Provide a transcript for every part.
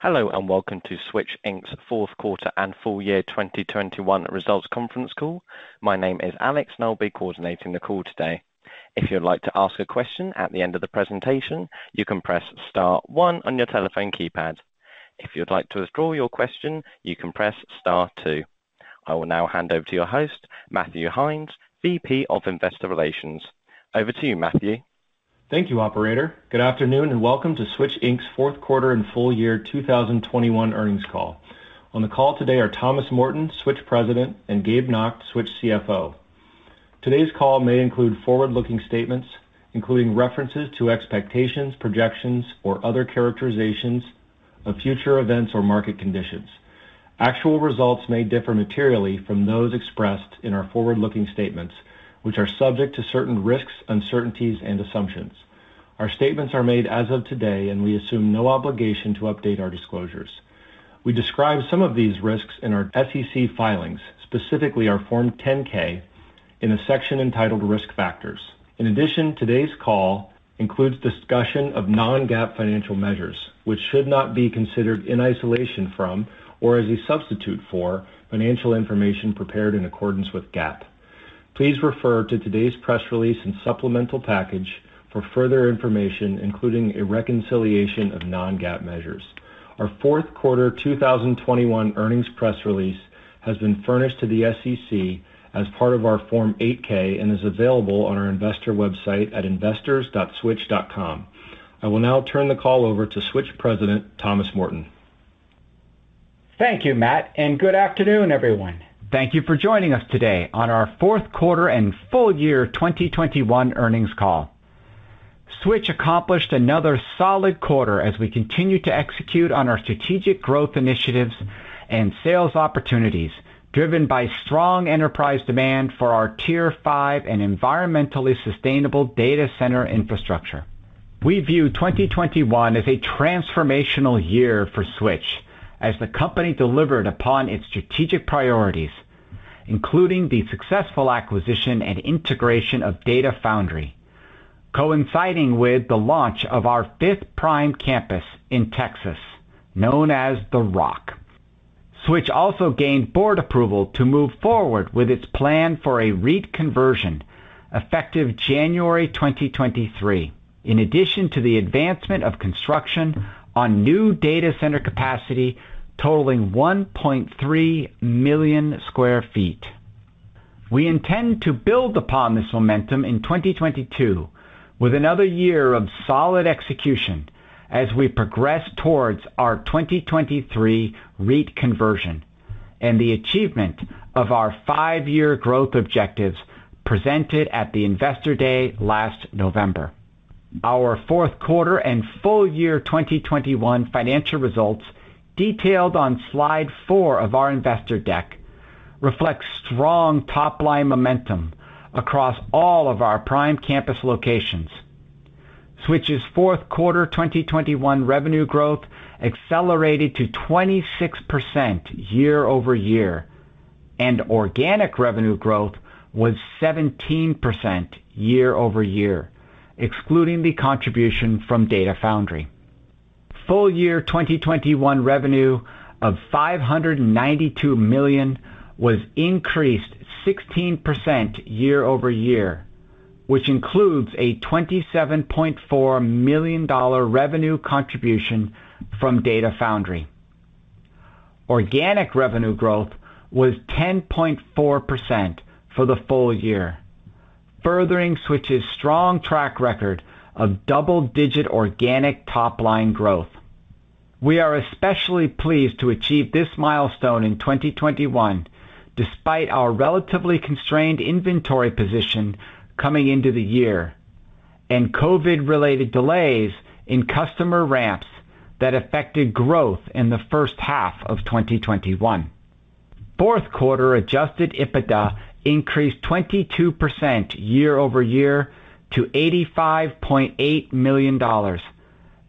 Hello, and welcome to Switch, Inc's fourth quarter and full year 2021 results conference call. My name is Alex, and I'll be coordinating the call today. If you'd like to ask a question at the end of the presentation, you can press star one on your telephone keypad. If you'd like to withdraw your question, you can press star two. I will now hand over to your host, Matthew Heinz, VP of Investor Relations. Over to you, Matthew. Thank you, operator. Good afternoon, and welcome to Switch, Inc's fourth quarter and full year 2021 earnings call. On the call today are Thomas Morton, Switch President, and Gabe Nacht, Switch CFO. Today's call may include forward-looking statements, including references to expectations, projections, or other characterizations of future events or market conditions. Actual results may differ materially from those expressed in our forward-looking statements, which are subject to certain risks, uncertainties, and assumptions. Our statements are made as of today, and we assume no obligation to update our disclosures. We describe some of these risks in our SEC filings, specifically our Form 10-K in a section entitled Risk Factors. In addition, today's call includes discussion of non-GAAP financial measures, which should not be considered in isolation from or as a substitute for financial information prepared in accordance with GAAP. Please refer to today's press release and supplemental package for further information, including a reconciliation of non-GAAP measures. Our fourth quarter 2021 earnings press release has been furnished to the SEC as part of our Form 8-K and is available on our investor website at investors.switch.com. I will now turn the call over to Switch President, Thomas Morton. Thank you, Matt, and good afternoon, everyone. Thank you for joining us today on our fourth quarter and full year 2021 earnings call. Switch accomplished another solid quarter as we continue to execute on our strategic growth initiatives and sales opportunities driven by strong enterprise demand for our Tier 5 and environmentally sustainable data center infrastructure. We view 2021 as a transformational year for Switch as the company delivered upon its strategic priorities, including the successful acquisition and integration of Data Foundry, coinciding with the launch of our fifth Prime Campus in Texas, known as The Rock. Switch also gained board approval to move forward with its plan for a REIT conversion effective January 2023. In addition to the advancement of construction on new data center capacity totaling 1.3 million sq ft. We intend to build upon this momentum in 2022 with another year of solid execution as we progress towards our 2023 REIT conversion and the achievement of our 5-year growth objectives presented at the Investor Day last November. Our fourth quarter and full year 2021 financial results, detailed on slide 4 of our investor deck, reflects strong top-line momentum across all of our Prime Campus locations. Switch's fourth quarter 2021 revenue growth accelerated to 26% year-over-year, and organic revenue growth was 17% year-over-year, excluding the contribution from Data Foundry. Full year 2021 revenue of $592 million was increased 16% year-over-year, which includes a $27.4 million revenue contribution from Data Foundry. Organic revenue growth was 10.4% for the full year, furthering Switch's strong track record of double-digit organic top-line growth. We are especially pleased to achieve this milestone in 2021 despite our relatively constrained inventory position coming into the year and COVID-related delays in customer ramps that affected growth in the first half of 2021. Fourth quarter adjusted EBITDA increased 22% year-over-year to $85.8 million,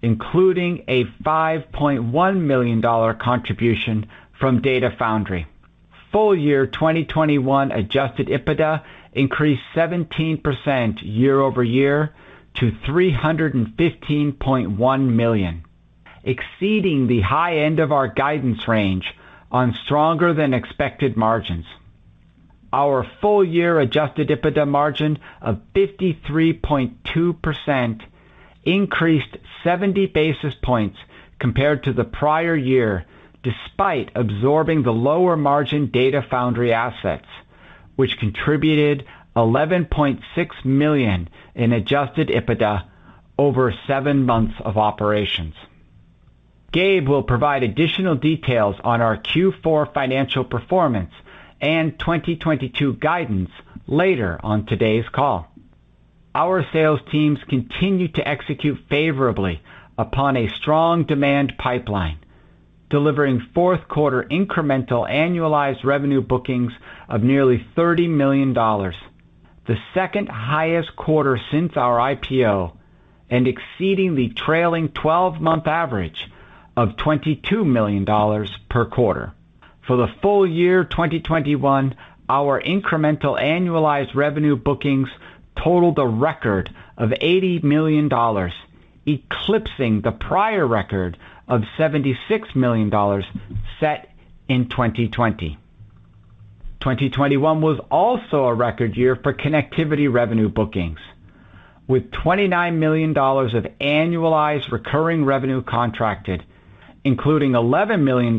including a $5.1 million contribution from Data Foundry. Full year 2021 adjusted EBITDA increased 17% year-over-year to $315.1 million, exceeding the high end of our guidance range on stronger-than-expected margins. Our full year adjusted EBITDA margin of 53.2% increased 70 basis points compared to the prior year, despite absorbing the lower margin Data Foundry assets, which contributed $11.6 million in adjusted EBITDA over 7 months of operations. Gabe will provide additional details on our Q4 financial performance and 2022 guidance later on today's call. Our sales teams continued to execute favorably upon a strong demand pipeline, delivering fourth quarter incremental annualized revenue bookings of nearly $30 million, the second highest quarter since our IPO and exceeding the trailing 12-month average of $22 million per quarter. For the full year 2021, our incremental annualized revenue bookings totaled a record of $80 million, eclipsing the prior record of $76 million set in 2020. 2021 was also a record year for connectivity revenue bookings, with $29 million of annualized recurring revenue contracted, including $11 million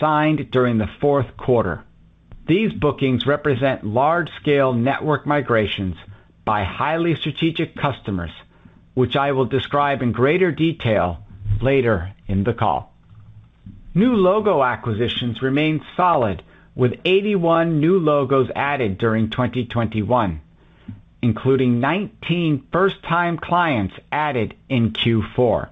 signed during the fourth quarter. These bookings represent large-scale network migrations by highly strategic customers, which I will describe in greater detail later in the call. New logo acquisitions remained solid with 81 new logos added during 2021, including 19 first-time clients added in Q4.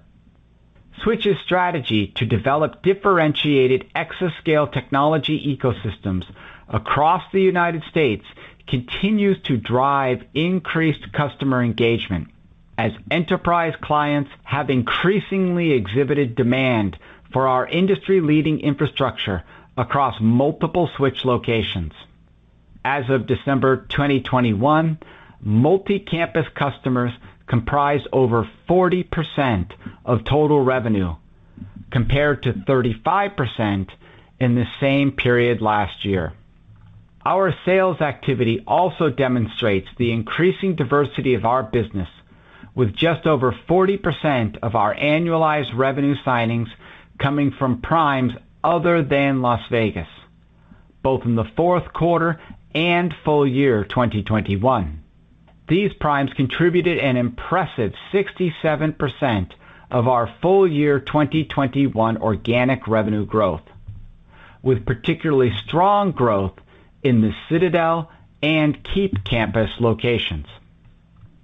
Switch's strategy to develop differentiated exascale technology ecosystems across the United States continues to drive increased customer engagement as enterprise clients have increasingly exhibited demand for our industry-leading infrastructure across multiple Switch locations. As of December 2021, multi-campus customers comprise over 40% of total revenue, compared to 35% in the same period last year. Our sales activity also demonstrates the increasing diversity of our business with just over 40% of our annualized revenue signings coming from primes other than Las Vegas, both in the fourth quarter and full year 2021. These primes contributed an impressive 67% of our full year 2021 organic revenue growth, with particularly strong growth in the Citadel and Keep Campus locations.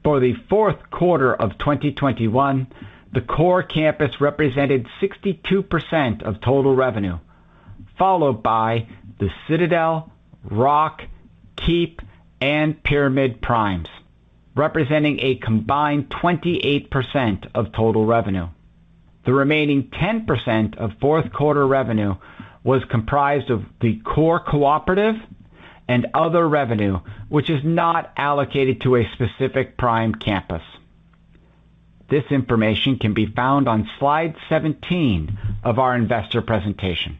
For the fourth quarter of 2021, the Core campus represented 62% of total revenue, followed by The Citadel, Rock, Keep, and Pyramid Primes, representing a combined 28% of total revenue. The remaining 10% of fourth quarter revenue was comprised of the CORE Cooperative and other revenue, which is not allocated to a specific prime campus. This information can be found on slide 17 of our investor presentation.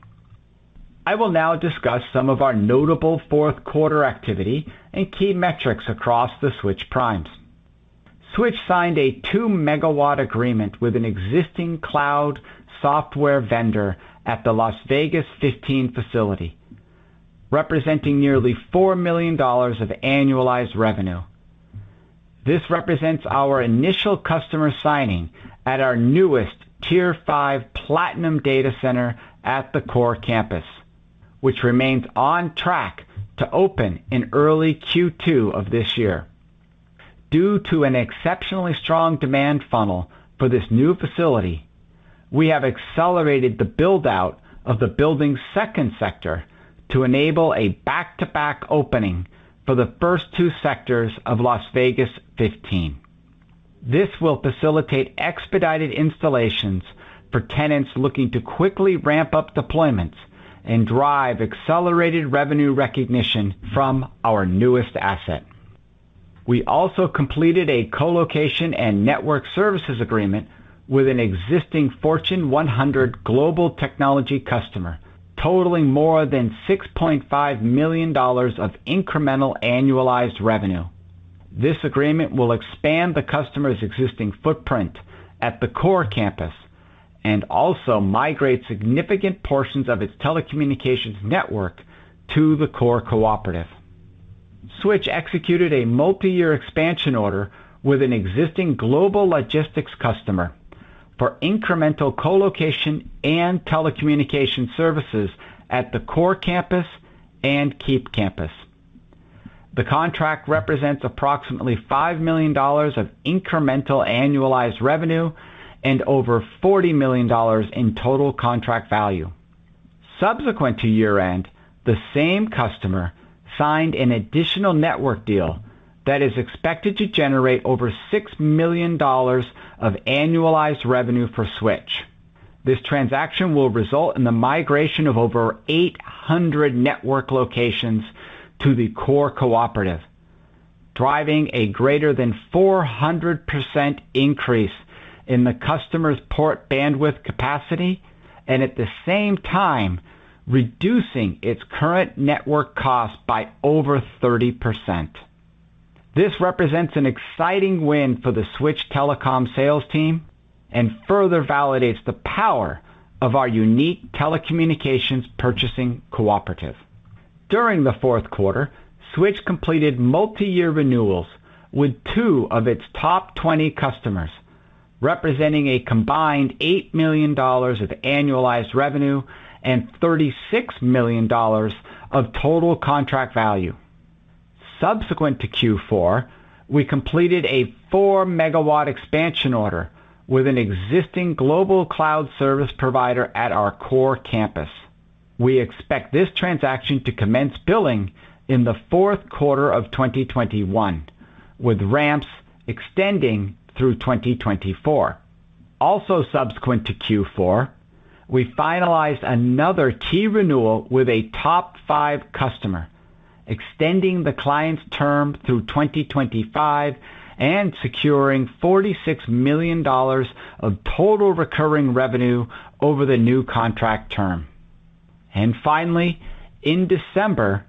I will now discuss some of our notable fourth quarter activity and key metrics across the Switch primes. Switch signed a 2-MW agreement with an existing cloud software vendor at the Las Vegas 15 facility, representing nearly $4 million of annualized revenue. This represents our initial customer signing at our newest Tier 5 Platinum data center at the Core campus, which remains on track to open in early Q2 of this year. Due to an exceptionally strong demand funnel for this new facility, we have accelerated the build-out of the building's second sector to enable a back-to-back opening for the first two sectors of Las Vegas 15. This will facilitate expedited installations for tenants looking to quickly ramp up deployments and drive accelerated revenue recognition from our newest asset. We also completed a colocation and network services agreement with an existing Fortune 100 global technology customer, totaling more than $6.5 million of incremental annualized revenue. This agreement will expand the customer's existing footprint at the CORE Campus and also migrate significant portions of its telecommunications network to the CORE Cooperative. Switch executed a multi-year expansion order with an existing global logistics customer for incremental colocation and telecommunication services at the CORE Campus and Keep Campus. The contract represents approximately $5 million of incremental annualized revenue and over $40 million in total contract value. Subsequent to year-end, the same customer signed an additional network deal that is expected to generate over $6 million of annualized revenue for Switch. This transaction will result in the migration of over 800 network locations to the CORE Cooperative, driving a greater than 400% increase in the customer's port bandwidth capacity and at the same time, reducing its current network cost by over 30%. This represents an exciting win for the Switch telecom sales team and further validates the power of our unique telecommunications purchasing cooperative. During the fourth quarter, Switch completed multi-year renewals with two of its top 20 customers, representing a combined $8 million of annualized revenue and $36 million of total contract value. Subsequent to Q4, we completed a 4-MW expansion order with an existing global cloud service provider at our Core Campus. We expect this transaction to commence billing in the fourth quarter of 2021, with ramps extending through 2024. Also subsequent to Q4, we finalized another key renewal with a top five customer extending the client's term through 2025 and securing $46 million of total recurring revenue over the new contract term. Finally, in December,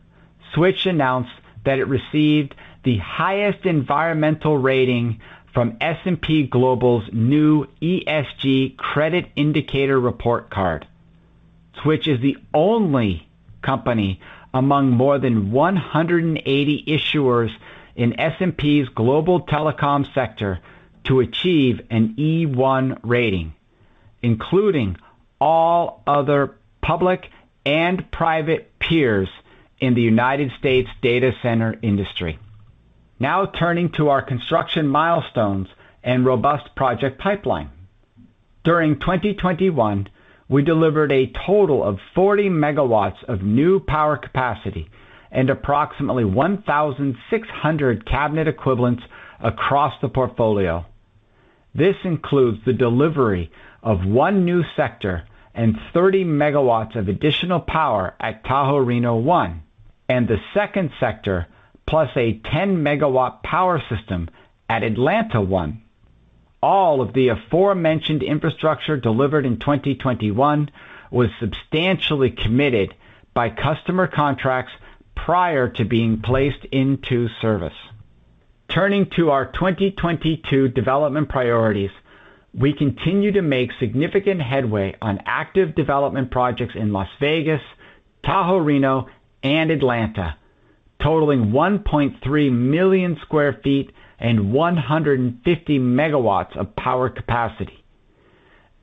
Switch announced that it received the highest environmental rating from S&P Global's new ESG Credit Indicator Report Card. Switch is the only company among more than 180 issuers in S&P's global telecom sector to achieve an E1 rating, including all other public and private peers in the United States data center industry. Now turning to our construction milestones and robust project pipeline. During 2021, we delivered a total of 40 MW of new power capacity and approximately 1,600 cabinet equivalents across the portfolio. This includes the delivery of one new sector and 30 MW of additional power at Tahoe Reno 1, and the second sector +10-MW power system at Atlanta 1. All of the aforementioned infrastructure delivered in 2021 was substantially committed by customer contracts prior to being placed into service. Turning to our 2022 development priorities, we continue to make significant headway on active development projects in Las Vegas, Tahoe Reno, and Atlanta, totaling 1.3 million sq ft and 150 MW of power capacity.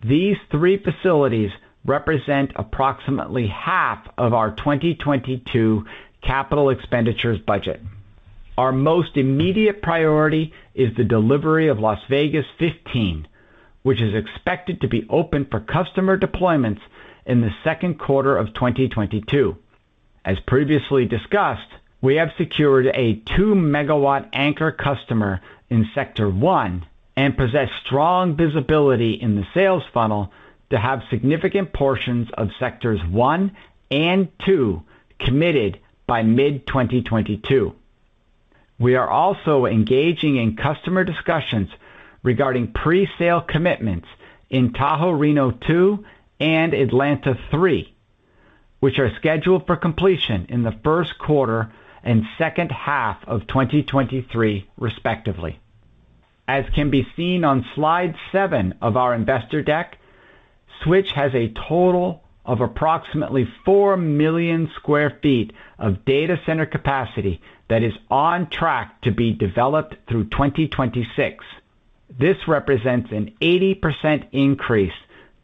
These three facilities represent approximately half of our 2022 capital expenditures budget. Our most immediate priority is the delivery of Las Vegas 15, which is expected to be open for customer deployments in the second quarter of 2022. As previously discussed, we have secured a 2-MW anchor customer in sector 1 and possess strong visibility in the sales funnel to have significant portions of sectors 1 and 2 committed by mid-2022. We are also engaging in customer discussions regarding presale commitments in Tahoe Reno 2 and Atlanta 3, which are scheduled for completion in the first quarter and second half of 2023, respectively. As can be seen on slide 7 of our investor deck, Switch has a total of approximately 4 million sq ft of data center capacity that is on track to be developed through 2026. This represents an 80% increase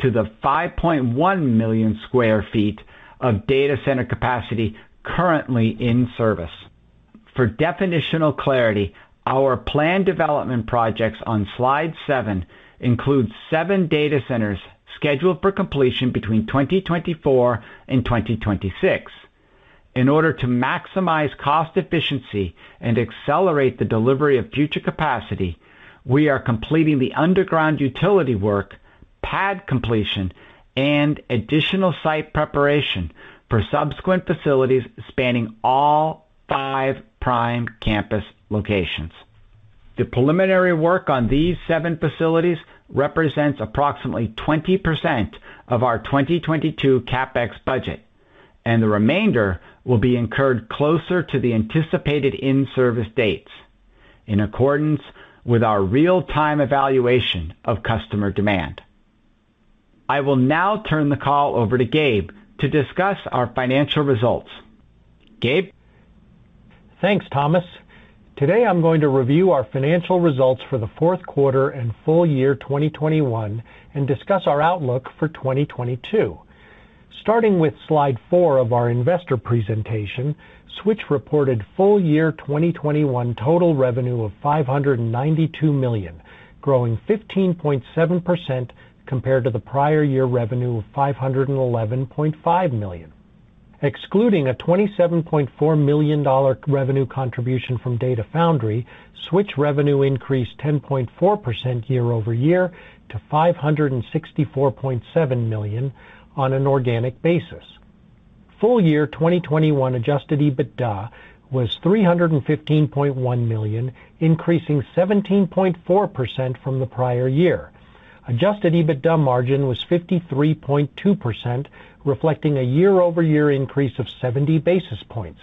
to the 5.1 million sq ft of data center capacity currently in service. For definitional clarity, our planned development projects on slide 7 include seven data centers scheduled for completion between 2024 and 2026. In order to maximize cost efficiency and accelerate the delivery of future capacity, we are completing the underground utility work, pad completion, and additional site preparation for subsequent facilities spanning all five prime campus locations. The preliminary work on these seven facilities represents approximately 20% of our 2022 CapEx budget, and the remainder will be incurred closer to the anticipated in-service dates in accordance with our real-time evaluation of customer demand. I will now turn the call over to Gabe to discuss our financial results. Gabe? Thanks, Thomas. Today, I'm going to review our financial results for the fourth quarter and full year 2021 and discuss our outlook for 2022. Starting with slide 4 of our investor presentation, Switch reported full year 2021 total revenue of $592 million, growing 15.7% compared to the prior year revenue of $511.5 million. Excluding a $27.4 million revenue contribution from Data Foundry, Switch revenue increased 10.4% year-over-year to $564.7 million on an organic basis. Full year 2021 adjusted EBITDA was $315.1 million, increasing 17.4% from the prior year. Adjusted EBITDA margin was 53.2%, reflecting a year-over-year increase of 70 basis points.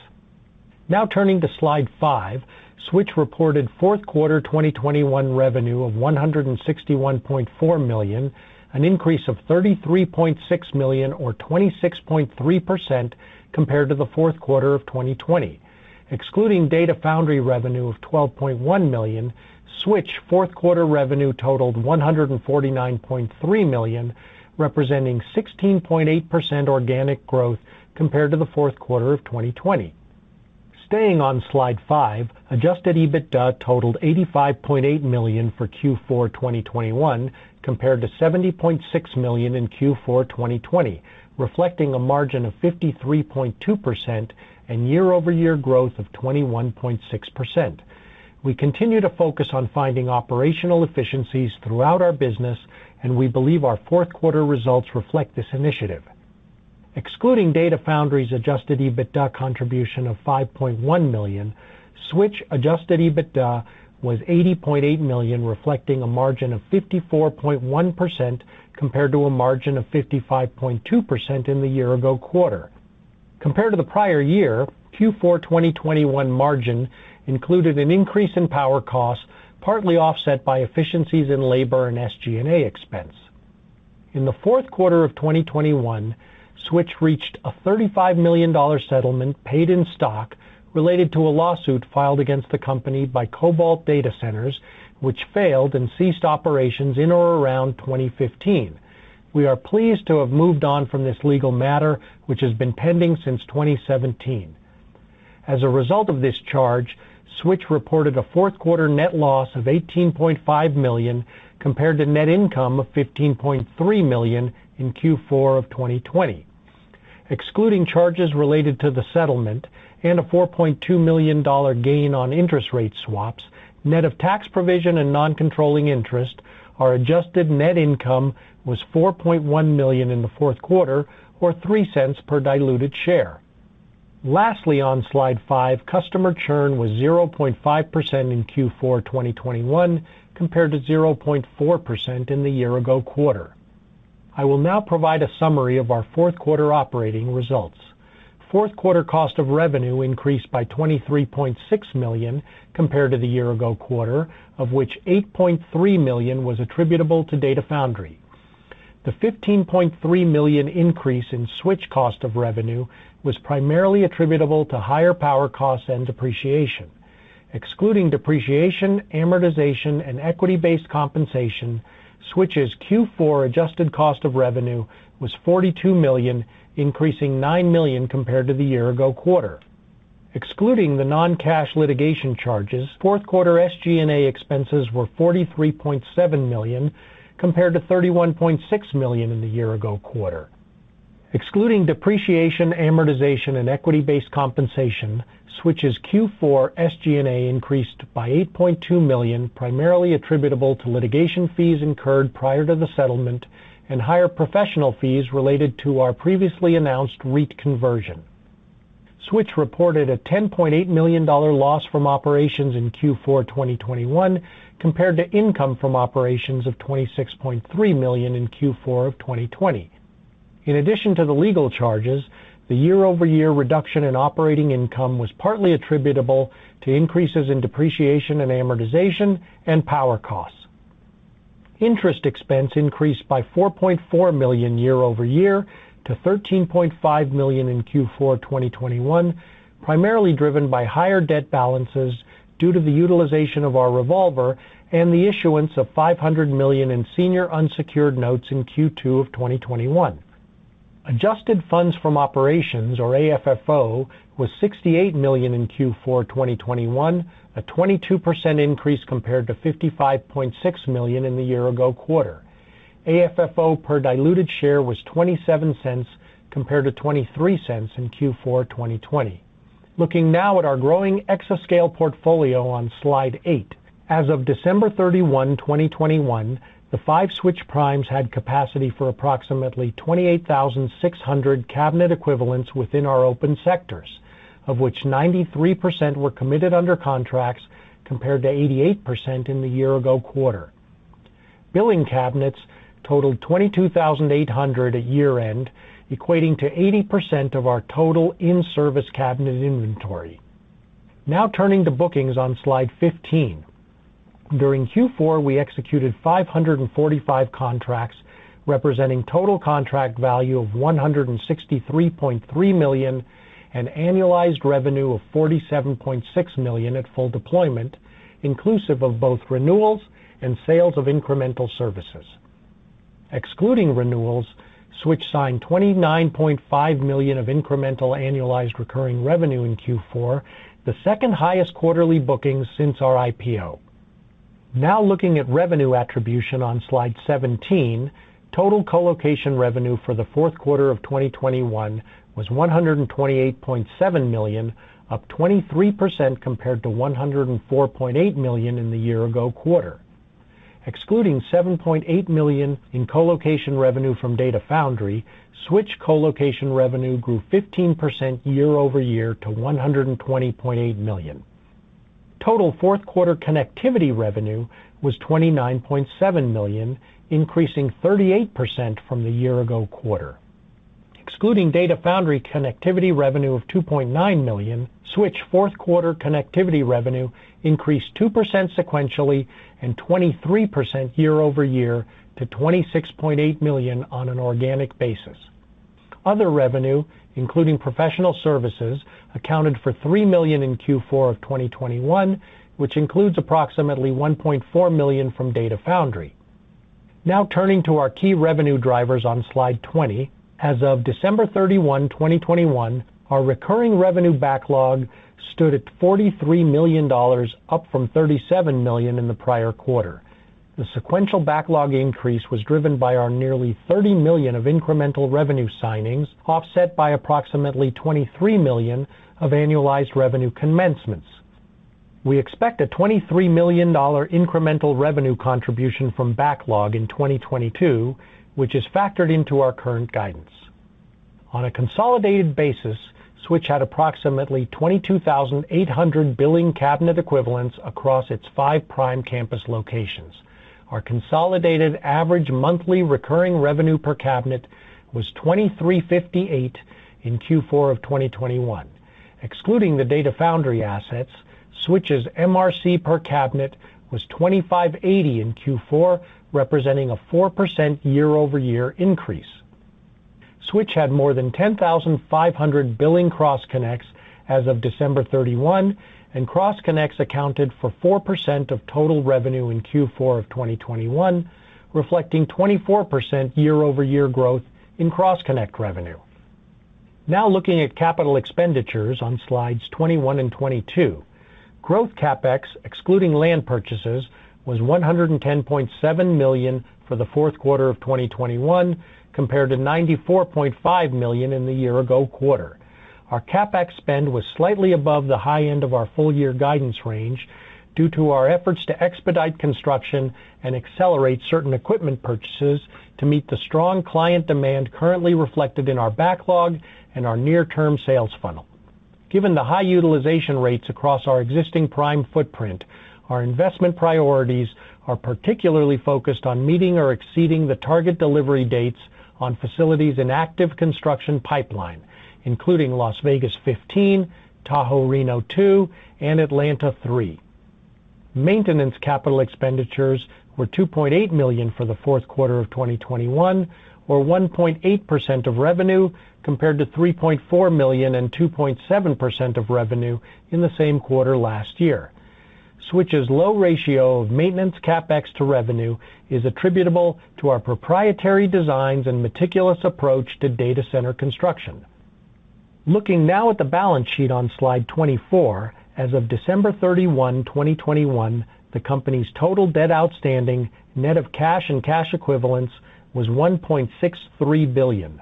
Now turning to slide 5, Switch reported fourth quarter 2021 revenue of $161.4 million, an increase of $33.6 million or 26.3% compared to the fourth quarter of 2020. Excluding Data Foundry revenue of $12.1 million, Switch fourth quarter revenue totaled $149.3 million, representing 16.8% organic growth compared to the fourth quarter of 2020. Staying on slide 5, adjusted EBITDA totaled $85.8 million for Q4 2021 compared to $70.6 million in Q4 2020, reflecting a margin of 53.2% and year-over-year growth of 21.6%. We continue to focus on finding operational efficiencies throughout our business, and we believe our fourth quarter results reflect this initiative. Excluding Data Foundry's adjusted EBITDA contribution of $5.1 million, Switch adjusted EBITDA was $80.8 million, reflecting a margin of 54.1% compared to a margin of 55.2% in the year ago quarter. Compared to the prior year, Q4 2021 margin included an increase in power costs, partly offset by efficiencies in labor and SG&A expense. In the fourth quarter of 2021, Switch reached a $35 million settlement paid in stock related to a lawsuit filed against the company by Cobalt Data Centers, which failed and ceased operations in or around 2015. We are pleased to have moved on from this legal matter, which has been pending since 2017. As a result of this charge, Switch reported a fourth quarter net loss of $18.5 million compared to net income of $15.3 million in Q4 of 2020. Excluding charges related to the settlement and a $4.2 million gain on interest rate swaps, net of tax provision and non-controlling interest, our adjusted net income was $4.1 million in the fourth quarter, or $0.03 per diluted share. Lastly, on slide 5, customer churn was 0.5% in Q4 2021 compared to 0.4% in the year-ago quarter. I will now provide a summary of our fourth quarter operating results. Fourth quarter cost of revenue increased by $23.6 million compared to the year-ago quarter, of which $8.3 million was attributable to Data Foundry. The $15.3 million increase in Switch cost of revenue was primarily attributable to higher power costs and depreciation. Excluding depreciation, amortization, and equity-based compensation, Switch's Q4 adjusted cost of revenue was $42 million, increasing $9 million compared to the year ago quarter. Excluding the non-cash litigation charges, fourth quarter SG&A expenses were $43.7 million compared to $31.6 million in the year ago quarter. Excluding depreciation, amortization, and equity-based compensation, Switch's Q4 SG&A increased by $8.2 million, primarily attributable to litigation fees incurred prior to the settlement and higher professional fees related to our previously announced REIT conversion. Switch reported a $10.8 million loss from operations in Q4 2021 compared to income from operations of $26.3 million in Q4 of 2020. In addition to the legal charges, the year-over-year reduction in operating income was partly attributable to increases in depreciation and amortization and power costs. Interest expense increased by $4.4 million year over year to $13.5 million in Q4 2021, primarily driven by higher debt balances due to the utilization of our revolver and the issuance of $500 million in senior unsecured notes in Q2 of 2021. Adjusted funds from operations or AFFO, was $68 million in Q4 2021, a 22% increase compared to $55.6 million in the year ago quarter. AFFO per diluted share was $0.27 compared to $0.23 in Q4 2020. Looking now at our growing exascale portfolio on slide 8. As of December 31, 2021, the five Switch Primes had capacity for approximately 28,600 cabinet equivalents within our open sectors, of which 93% were committed under contracts compared to 88% in the year-ago quarter. Billing cabinets totaled 22,800 at year-end, equating to 80% of our total in-service cabinet inventory. Now turning to bookings on slide 15. During Q4, we executed 545 contracts, representing total contract value of $163.3 million and annualized revenue of $47.6 million at full deployment, inclusive of both renewals and sales of incremental services. Excluding renewals, Switch signed $29.5 million of incremental annualized recurring revenue in Q4, the second highest quarterly bookings since our IPO. Now looking at revenue attribution on slide 17, total colocation revenue for the fourth quarter of 2021 was $128.7 million, up 23% compared to $104.8 million in the year ago quarter. Excluding $7.8 million in colocation revenue from Data Foundry, Switch colocation revenue grew 15% year-over-year to $120.8 million. Total fourth quarter connectivity revenue was $29.7 million, increasing 38% from the year ago quarter. Excluding Data Foundry connectivity revenue of $2.9 million, Switch fourth quarter connectivity revenue increased 2% sequentially and 23% year-over-year to $26.8 million on an organic basis. Other revenue, including professional services, accounted for $3 million in Q4 of 2021, which includes approximately $1.4 million from Data Foundry. Now turning to our key revenue drivers on slide 20. As of December 31, 2021, our recurring revenue backlog stood at $43 million, up from $37 million in the prior quarter. The sequential backlog increase was driven by our nearly $30 million of incremental revenue signings, offset by approximately $23 million of annualized revenue commencements. We expect a $23 million incremental revenue contribution from backlog in 2022, which is factored into our current guidance. On a consolidated basis, Switch had approximately 22,800 billing cabinet equivalents across its five prime campus locations. Our consolidated average monthly recurring revenue per cabinet was $2,358 in Q4 of 2021. Excluding the Data Foundry assets, Switch's MRC per cabinet was $2,580 in Q4, representing a 4% year-over-year increase. Switch had more than 10,500 billing cross connects as of December 31, and cross connects accounted for 4% of total revenue in Q4 of 2021, reflecting 24% year-over-year growth in cross connect revenue. Now looking at capital expenditures on slides 21 and 22. Growth CapEx, excluding land purchases, was $110.7 million for the fourth quarter of 2021 compared to $94.5 million in the year-ago quarter. Our CapEx spend was slightly above the high end of our full year guidance range due to our efforts to expedite construction and accelerate certain equipment purchases to meet the strong client demand currently reflected in our backlog and our near term sales funnel. Given the high utilization rates across our existing prime footprint, our investment priorities are particularly focused on meeting or exceeding the target delivery dates on facilities in active construction pipeline, including Las Vegas 15, Tahoe Reno 2, and Atlanta 3. Maintenance capital expenditures were $2.8 million for the fourth quarter of 2021, or 1.8% of revenue compared to $3.4 million and 2.7% of revenue in the same quarter last year. Switch's low ratio of maintenance CapEx to revenue is attributable to our proprietary designs and meticulous approach to data center construction. Looking now at the balance sheet on slide 24, as of December 31, 2021, the company's total debt outstanding, net of cash and cash equivalents, was $1.63 billion.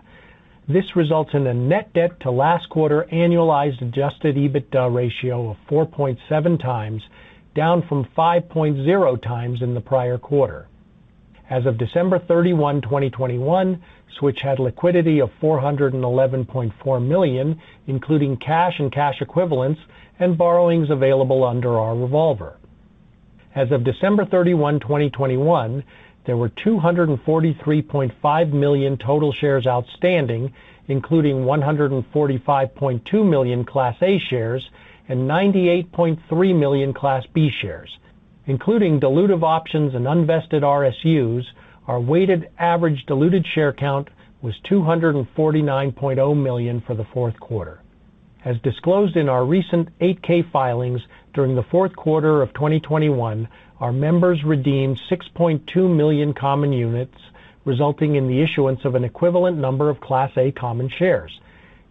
This results in a net debt to last quarter annualized adjusted EBITDA ratio of 4.7x, down from 5.0x in the prior quarter. As of December 31, 2021, Switch had liquidity of $411.4 million, including cash and cash equivalents and borrowings available under our revolver. As of December 31, 2021, there were 243.5 million total shares outstanding, including 145.2 million Class A shares and 98.3 million Class B shares. Including dilutive options and unvested RSUs, our weighted average diluted share count was 249.0 million for the fourth quarter. As disclosed in our recent 8-K filings during the fourth quarter of 2021, our members redeemed 6.2 million common units, resulting in the issuance of an equivalent number of Class A common shares.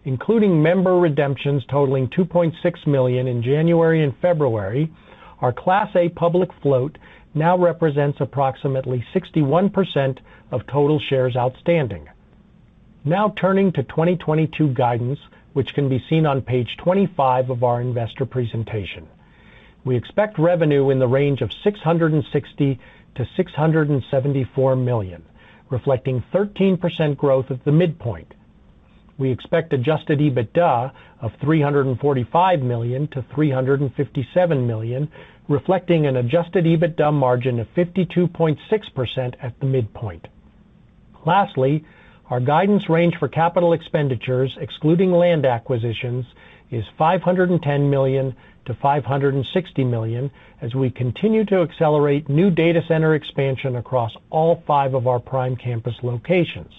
Including member redemptions totaling 2.6 million in January and February, our Class A public float now represents approximately 61% of total shares outstanding. Now turning to 2022 guidance, which can be seen on page 25 of our investor presentation. We expect revenue in the range of $660 million-$674 million, reflecting 13% growth at the midpoint. We expect adjusted EBITDA of $345 million-$357 million, reflecting an adjusted EBITDA margin of 52.6% at the midpoint. Lastly, our guidance range for capital expenditures excluding land acquisitions is $510 million-$560 million as we continue to accelerate new data center expansion across all five of our prime campus locations.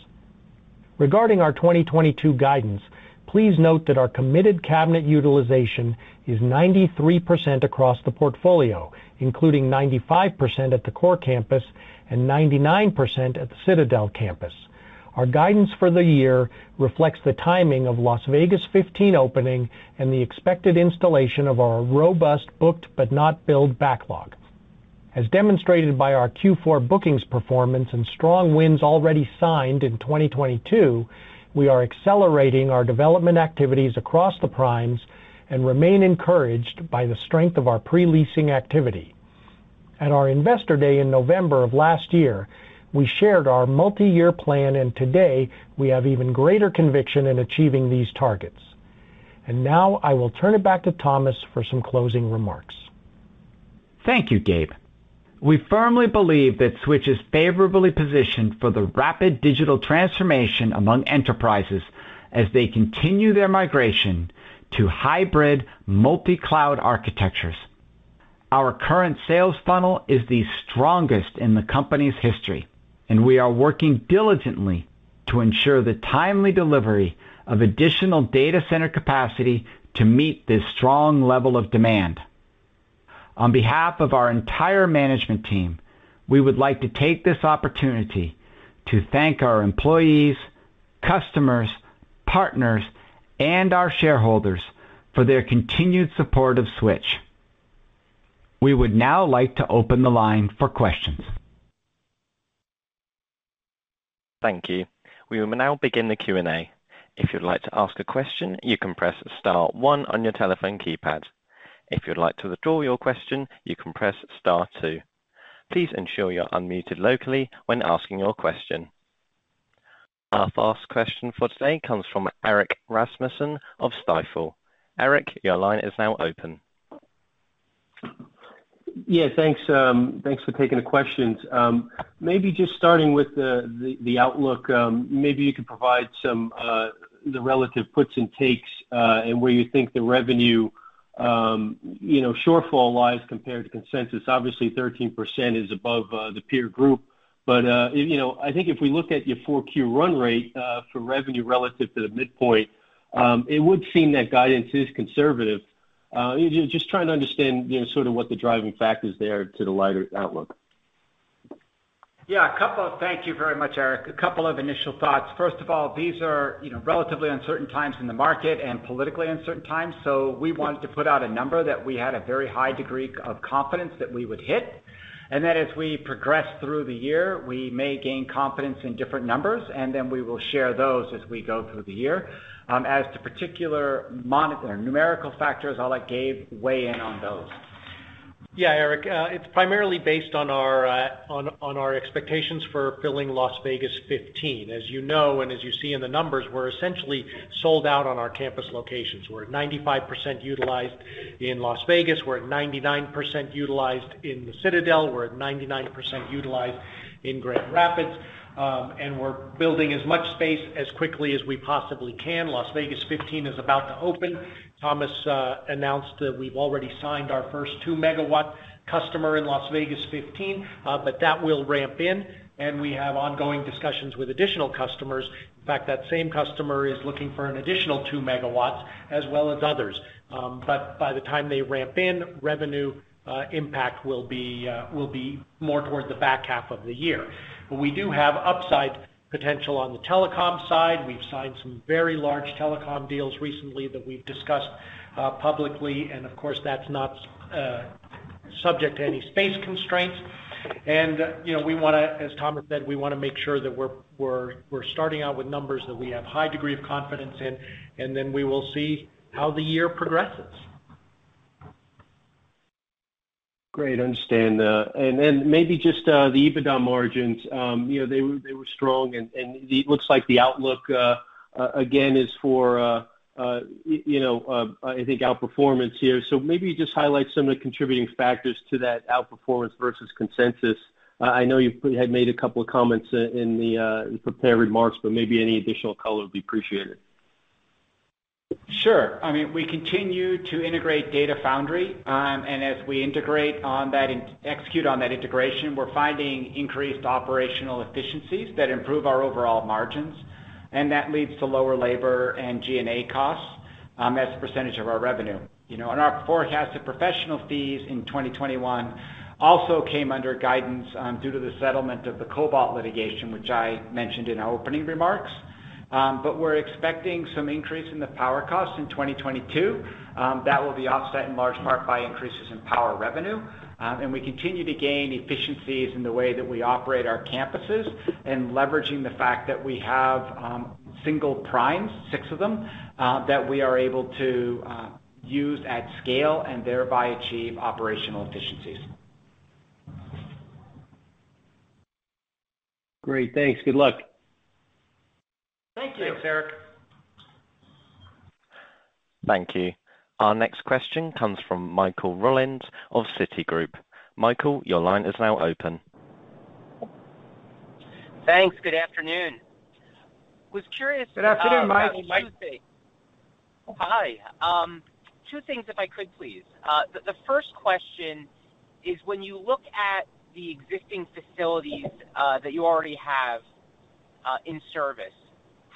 Regarding our 2022 guidance, please note that our committed cabinet utilization is 93% across the portfolio, including 95% at the core campus and 99% at the Citadel Campus. Our guidance for the year reflects the timing of Las Vegas 15 opening and the expected installation of our robust booked but not build backlog. As demonstrated by our Q4 bookings performance and strong wins already signed in 2022, we are accelerating our development activities across the primes and remain encouraged by the strength of our pre-leasing activity. At our Investor Day in November of last year, we shared our multi-year plan, and today we have even greater conviction in achieving these targets. Now I will turn it back to Thomas for some closing remarks. Thank you, Gabe. We firmly believe that Switch is favorably positioned for the rapid digital transformation among enterprises as they continue their migration to hybrid multi-cloud architectures. Our current sales funnel is the strongest in the company's history, and we are working diligently to ensure the timely delivery of additional data center capacity to meet this strong level of demand. On behalf of our entire management team, we would like to take this opportunity to thank our employees, customers, partners, and our shareholders for their continued support of Switch. We would now like to open the line for questions. Thank you. We will now begin the Q&A. If you'd like to ask a question, you can press star one on your telephone keypad. If you'd like to withdraw your question, you can press star two. Please ensure you're unmuted locally when asking your question. Our first question for today comes from Erik Rasmussen of Stifel. Erik, your line is now open. Yeah, thanks. Thanks for taking the questions. Maybe just starting with the outlook. Maybe you could provide some of the relative puts and takes, and where you think the revenue, you know, shortfall lies compared to consensus. Obviously, 13% is above the peer group. You know, I think if we look at your 4Q run rate for revenue relative to the midpoint, it would seem that guidance is conservative. You know, just trying to understand, you know, sort of what the driving factor is there to the lighter outlook. Yeah, a couple. Thank you very much, Erik. A couple of initial thoughts. First of all, these are, you know, relatively uncertain times in the market and politically uncertain times. We want to put out a number that we had a very high degree of confidence that we would hit. As we progress through the year, we may gain confidence in different numbers, and then we will share those as we go through the year. As to particular numerical factors, I'll let Gabe weigh in on those. Yeah, Erik, it's primarily based on our expectations for filling Las Vegas 15. As you know, and as you see in the numbers, we're essentially sold out on our campus locations. We're at 95% utilized in Las Vegas. We're at 99% utilized in the Citadel. We're at 99% utilized in Grand Rapids, and we're building as much space as quickly as we possibly can. Las Vegas 15 is about to open. Thomas announced that we've already signed our first 2 MW customer in Las Vegas 15. But that will ramp in, and we have ongoing discussions with additional customers. In fact, that same customer is looking for an additional 2 MW as well as others. But by the time they ramp in, revenue impact will be more towards the back half of the year. We do have upside potential on the telecom side. We've signed some very large telecom deals recently that we've discussed publicly, and of course, that's not subject to any space constraints. You know, as Thomas said, we wanna make sure that we're starting out with numbers that we have high degree of confidence in, and then we will see how the year progresses. Great. Understand that. Then maybe just the EBITDA margins, you know, they were strong and it looks like the outlook again is for you know I think outperformance here. Maybe just highlight some of the contributing factors to that outperformance versus consensus. I know you've had made a couple of comments in the prepared remarks, but maybe any additional color would be appreciated. Sure. I mean, we continue to integrate Data Foundry. As we execute on that integration, we're finding increased operational efficiencies that improve our overall margins, and that leads to lower labor and G&A costs as a percentage of our revenue. You know, our forecasted professional fees in 2021 also came under guidance due to the settlement of the Cobalt litigation, which I mentioned in our opening remarks. We're expecting some increase in the power costs in 2022 that will be offset in large part by increases in power revenue. We continue to gain efficiencies in the way that we operate our campuses and leveraging the fact that we have single primes, six of them, that we are able to use at scale and thereby achieve operational efficiencies. Great. Thanks. Good luck. Thank you. Thanks, Erik. Thank you. Our next question comes from Michael Rollins of Citigroup. Michael, your line is now open. Thanks. Good afternoon. I was curious. Good afternoon, Michael. Hi. Two things if I could, please. The first question is, when you look at the existing facilities that you already have in service,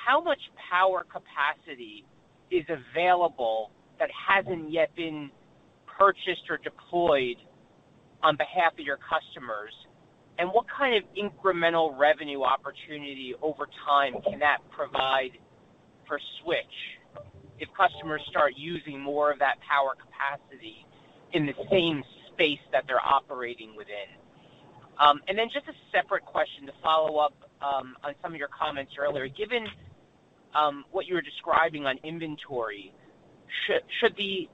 how much power capacity is available that hasn't yet been purchased or deployed on behalf of your customers? What kind of incremental revenue opportunity over time can that provide for Switch if customers start using more of that power capacity in the same space that they're operating within? Just a separate question to follow up on some of your comments earlier. Given what you were describing on inventory, should the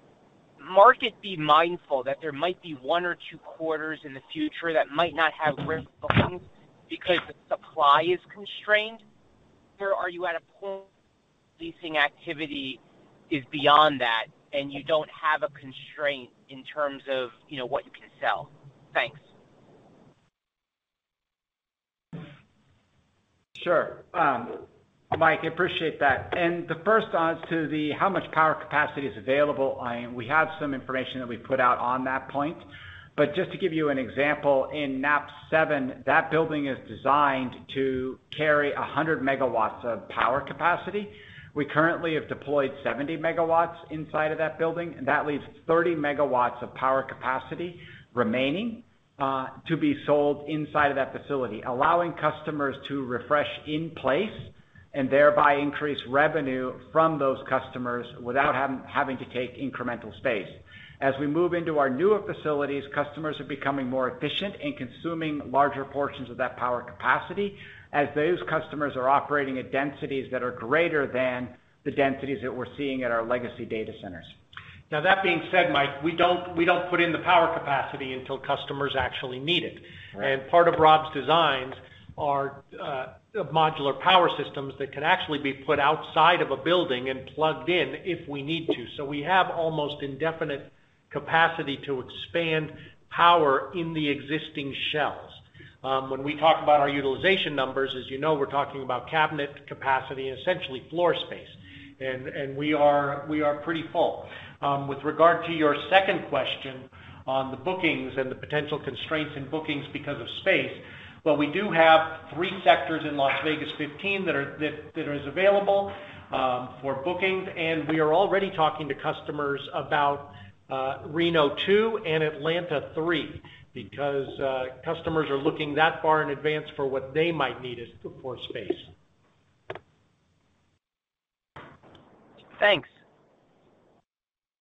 market be mindful that there might be one or two quarters in the future that might not have ramp lines because the supply is constrained? Are you at a point leasing activity is beyond that and you don't have a constraint in terms of, you know, what you can sell? Thanks. Sure. Mike, I appreciate that. We have some information that we put out on that point. Just to give you an example, in NAP 7, that building is designed to carry 100 MW of power capacity. We currently have deployed 70 MW inside of that building, and that leaves 30 MW of power capacity remaining to be sold inside of that facility, allowing customers to refresh in place. Thereby increase revenue from those customers without having to take incremental space. As we move into our newer facilities, customers are becoming more efficient in consuming larger portions of that power capacity as those customers are operating at densities that are greater than the densities that we're seeing at our legacy data centers. Now that being said, Mike, we don't put in the power capacity until customers actually need it. Right. Part of Rob's designs are modular power systems that can actually be put outside of a building and plugged in if we need to. We have almost indefinite capacity to expand power in the existing shells. When we talk about our utilization numbers, as you know, we're talking about cabinet capacity, essentially floor space. We are pretty full. With regard to your second question on the bookings and the potential constraints in bookings because of space, we do have 3 sectors in Las Vegas 15 that is available for bookings, and we are already talking to customers about Reno 2 and Atlanta 3 because customers are looking that far in advance for what they might need for space. Thanks.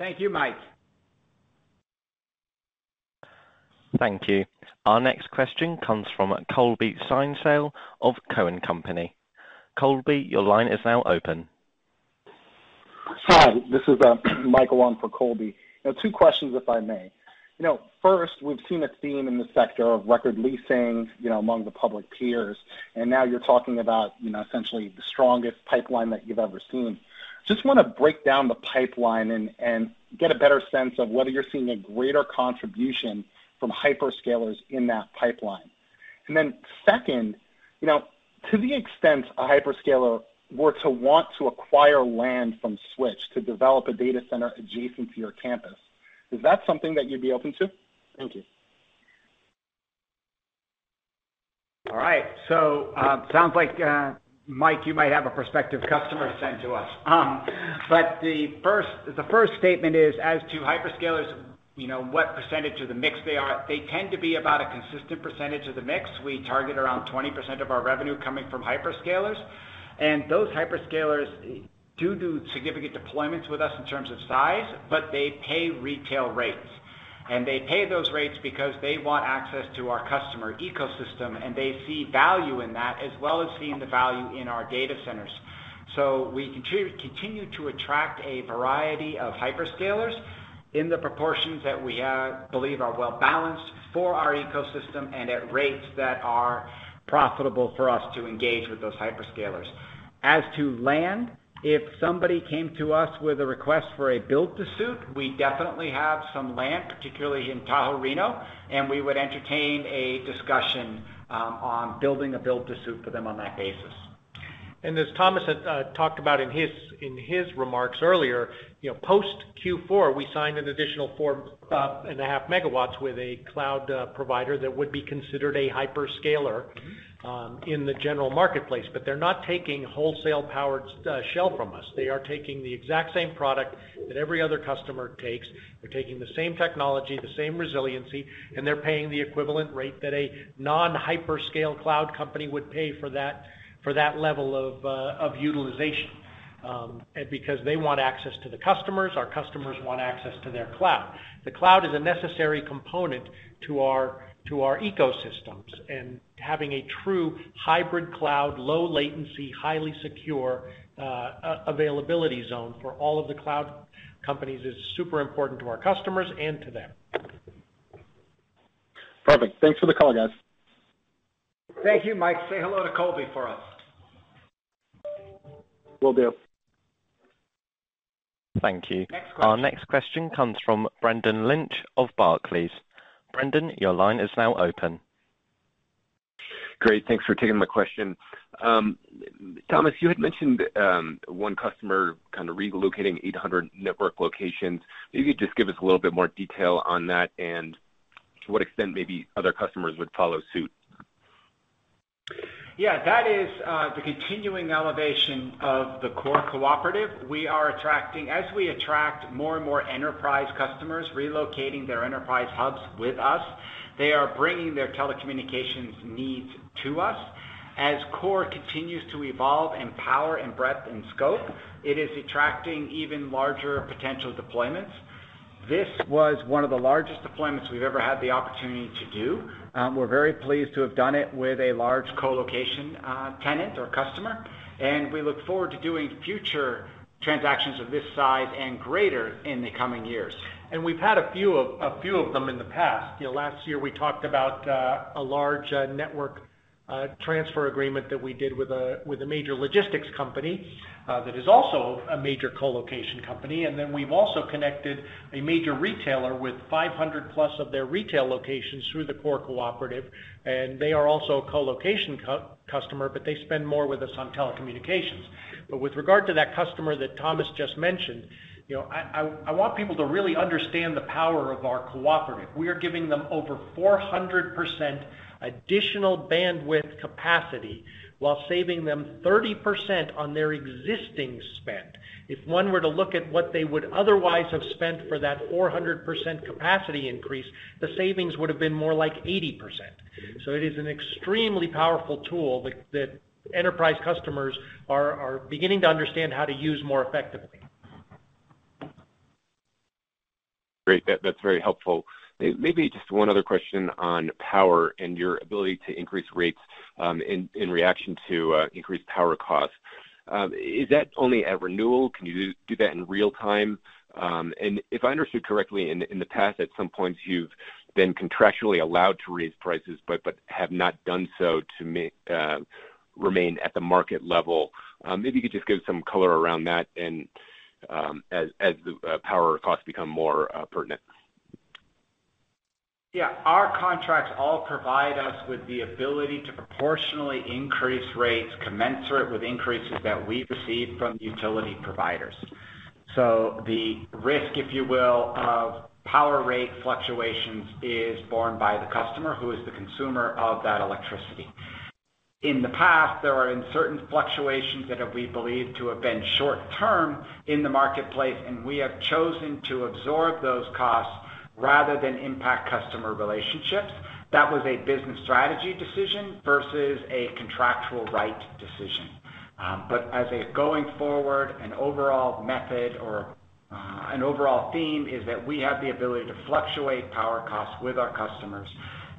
Thank you, Mike. Thank you. Our next question comes from Colby Synesael of Cowen and Company. Colby, your line is now open. Hi, this is Michael on for Colby. Now two questions, if I may. You know, first, we've seen a theme in the sector of record leasing, you know, among the public peers, and now you're talking about, you know, essentially the strongest pipeline that you've ever seen. Just wanna break down the pipeline and get a better sense of whether you're seeing a greater contribution from hyperscalers in that pipeline. Second, you know, to the extent a hyperscaler were to want to acquire land from Switch to develop a data center adjacent to your campus, is that something that you'd be open to? Thank you. All right. Sounds like, Mike, you might have a prospective customer sent to us. The first statement is as to hyperscalers, you know, what percentage of the mix they are. They tend to be about a consistent percentage of the mix. We target around 20% of our revenue coming from hyperscalers. Those hyperscalers do significant deployments with us in terms of size, but they pay retail rates. They pay those rates because they want access to our customer ecosystem, and they see value in that, as well as seeing the value in our data centers. We continue to attract a variety of hyperscalers in the proportions that we believe are well-balanced for our ecosystem and at rates that are profitable for us to engage with those hyperscalers. As to land, if somebody came to us with a request for a build to suit, we definitely have some land, particularly in Tahoe Reno, and we would entertain a discussion on building a build to suit for them on that basis. As Thomas had talked about in his remarks earlier, you know, post Q4, we signed an additional 4.5 MW with a cloud provider that would be considered a hyperscaler in the general marketplace. They're not taking wholesale powered shell from us. They are taking the exact same product that every other customer takes. They're taking the same technology, the same resiliency, and they're paying the equivalent rate that a non-hyperscale cloud company would pay for that level of utilization. Because they want access to the customers, our customers want access to their cloud. The cloud is a necessary component to our ecosystems, and having a true hybrid cloud, low latency, highly secure availability zone for all of the cloud companies is super important to our customers and to them. Perfect. Thanks for the call, guys. Thank you, Mike. Say hello to Colby for us. Will do. Thank you. Next question. Our next question comes from Brendan Lynch of Barclays. Brendan, your line is now open. Great. Thanks for taking my question. Thomas, you had mentioned, one customer kind of relocating 800 network locations. Maybe just give us a little bit more detail on that and to what extent maybe other customers would follow suit. Yeah. That is, the continuing elevation of the CORE Cooperative. As we attract more and more enterprise customers relocating their enterprise hubs with us, they are bringing their telecommunications needs to us. As CORE continues to evolve in power and breadth and scope, it is attracting even larger potential deployments. This was one of the largest deployments we've ever had the opportunity to do. We're very pleased to have done it with a large colocation tenant or customer, and we look forward to doing future transactions of this size and greater in the coming years. We've had a few of them in the past. You know, last year, we talked about a large network transfer agreement that we did with a major logistics company that is also a major colocation company. We've also connected a major retailer with 500+ of their retail locations through the CORE Cooperative, and they are also a colocation customer, but they spend more with us on telecommunications. With regard to that customer that Thomas just mentioned, you know, I want people to really understand the power of our cooperative. We are giving them over 400% additional bandwidth capacity while saving them 30% on their existing spend. If one were to look at what they would otherwise have spent for that 400% capacity increase, the savings would have been more like 80%. It is an extremely powerful tool that enterprise customers are beginning to understand how to use more effectively. Great. That's very helpful. Maybe just one other question on power and your ability to increase rates in reaction to increased power costs. Is that only at renewal? Can you do that in real time? If I understood correctly in the past, at some points you've been contractually allowed to raise prices but have not done so to remain at the market level. Maybe you could just give some color around that and as the power costs become more pertinent. Yeah. Our contracts all provide us with the ability to proportionally increase rates commensurate with increases that we receive from the utility providers. The risk, if you will, of power rate fluctuations is borne by the customer who is the consumer of that electricity. In the past, there are certain fluctuations that we have believed to have been short term in the marketplace, and we have chosen to absorb those costs rather than impact customer relationships. That was a business strategy decision versus a contractual right decision. As a going forward, an overall method or, an overall theme is that we have the ability to fluctuate power costs with our customers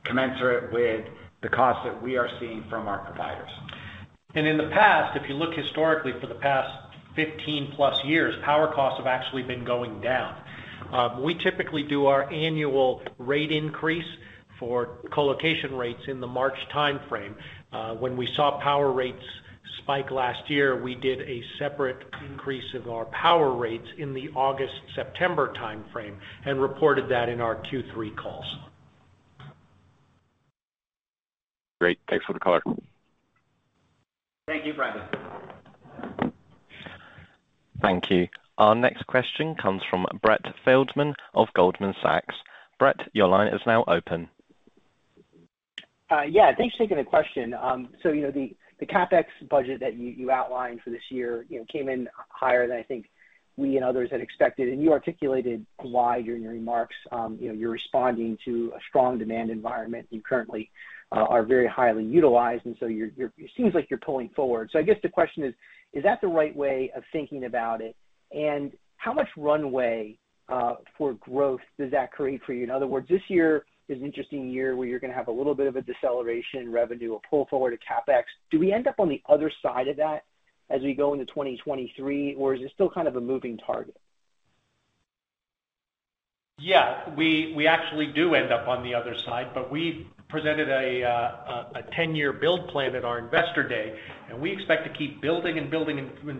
commensurate with the costs that we are seeing from our providers. In the past, if you look historically for the past 15+ years, power costs have actually been going down. We typically do our annual rate increase for colocation rates in the March timeframe. When we saw power rates spike last year, we did a separate increase of our power rates in the August, September timeframe and reported that in our Q3 calls. Great. Thanks for the color. Thank you, Brendan. Thank you. Our next question comes from Brett Feldman of Goldman Sachs. Brett, your line is now open. Yeah, thanks for taking the question. So, you know, the CapEx budget that you outlined for this year, you know, came in higher than I think we and others had expected. You articulated why during your remarks, you know, you're responding to a strong demand environment. You currently are very highly utilized, and so it seems like you're pulling forward. I guess the question is that the right way of thinking about it, and how much runway for growth does that create for you? In other words, this year is an interesting year where you're gonna have a little bit of a deceleration in revenue, a pull forward to CapEx. Do we end up on the other side of that as we go into 2023, or is it still kind of a moving target? Yeah. We actually do end up on the other side, but we presented a 10-year build plan at our investor day, and we expect to keep building and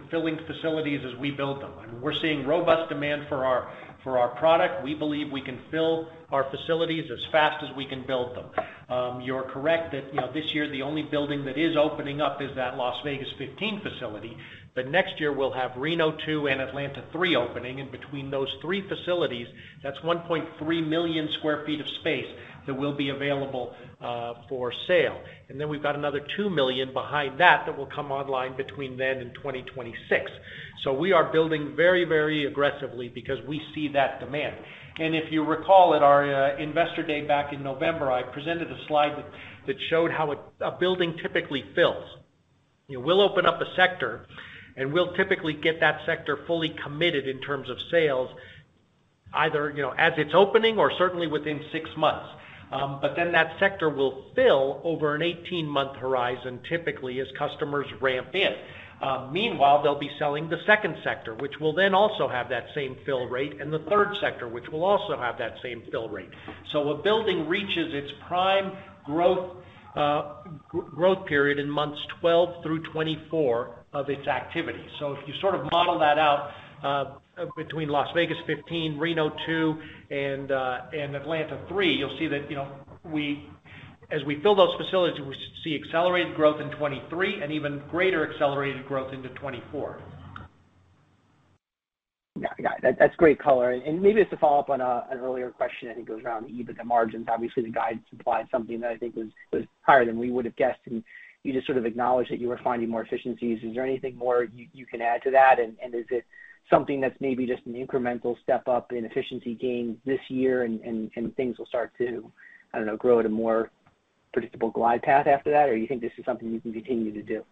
filling facilities as we build them. I mean, we're seeing robust demand for our product. We believe we can fill our facilities as fast as we can build them. You're correct that, you know, this year the only building that is opening up is that Las Vegas 15 facility. Next year we'll have Reno 2 and Atlanta 3 opening. Between those three facilities, that's 1.3 million sq ft of space that will be available for sale. Then we've got another 2 million behind that that will come online between then and 2026. We are building very aggressively because we see that demand. If you recall at our investor day back in November, I presented a slide that showed how a building typically fills. We'll open up a sector, and we'll typically get that sector fully committed in terms of sales, either you know as it's opening or certainly within 6 months. But then that sector will fill over an 18-month horizon, typically, as customers ramp in. Meanwhile, they'll be selling the second sector, which will then also have that same fill rate, and the third sector, which will also have that same fill rate. A building reaches its prime growth period in months 12 through 24 of its activity. If you sort of model that out, between Las Vegas 15, Reno 2, and Atlanta 3, you'll see that, you know, as we fill those facilities, we see accelerated growth in 2023 and even greater accelerated growth into 2024. Yeah. Yeah. That's great color. Maybe just to follow up on an earlier question I think goes around the EBITDA margins. Obviously, the guidance supplied something that I think was higher than we would have guessed, and you just sort of acknowledged that you were finding more efficiencies. Is there anything more you can add to that? Is it something that's maybe just an incremental step up in efficiency gains this year and things will start to, I don't know, grow at a more predictable glide path after that? Or you think this is something you can continue to do?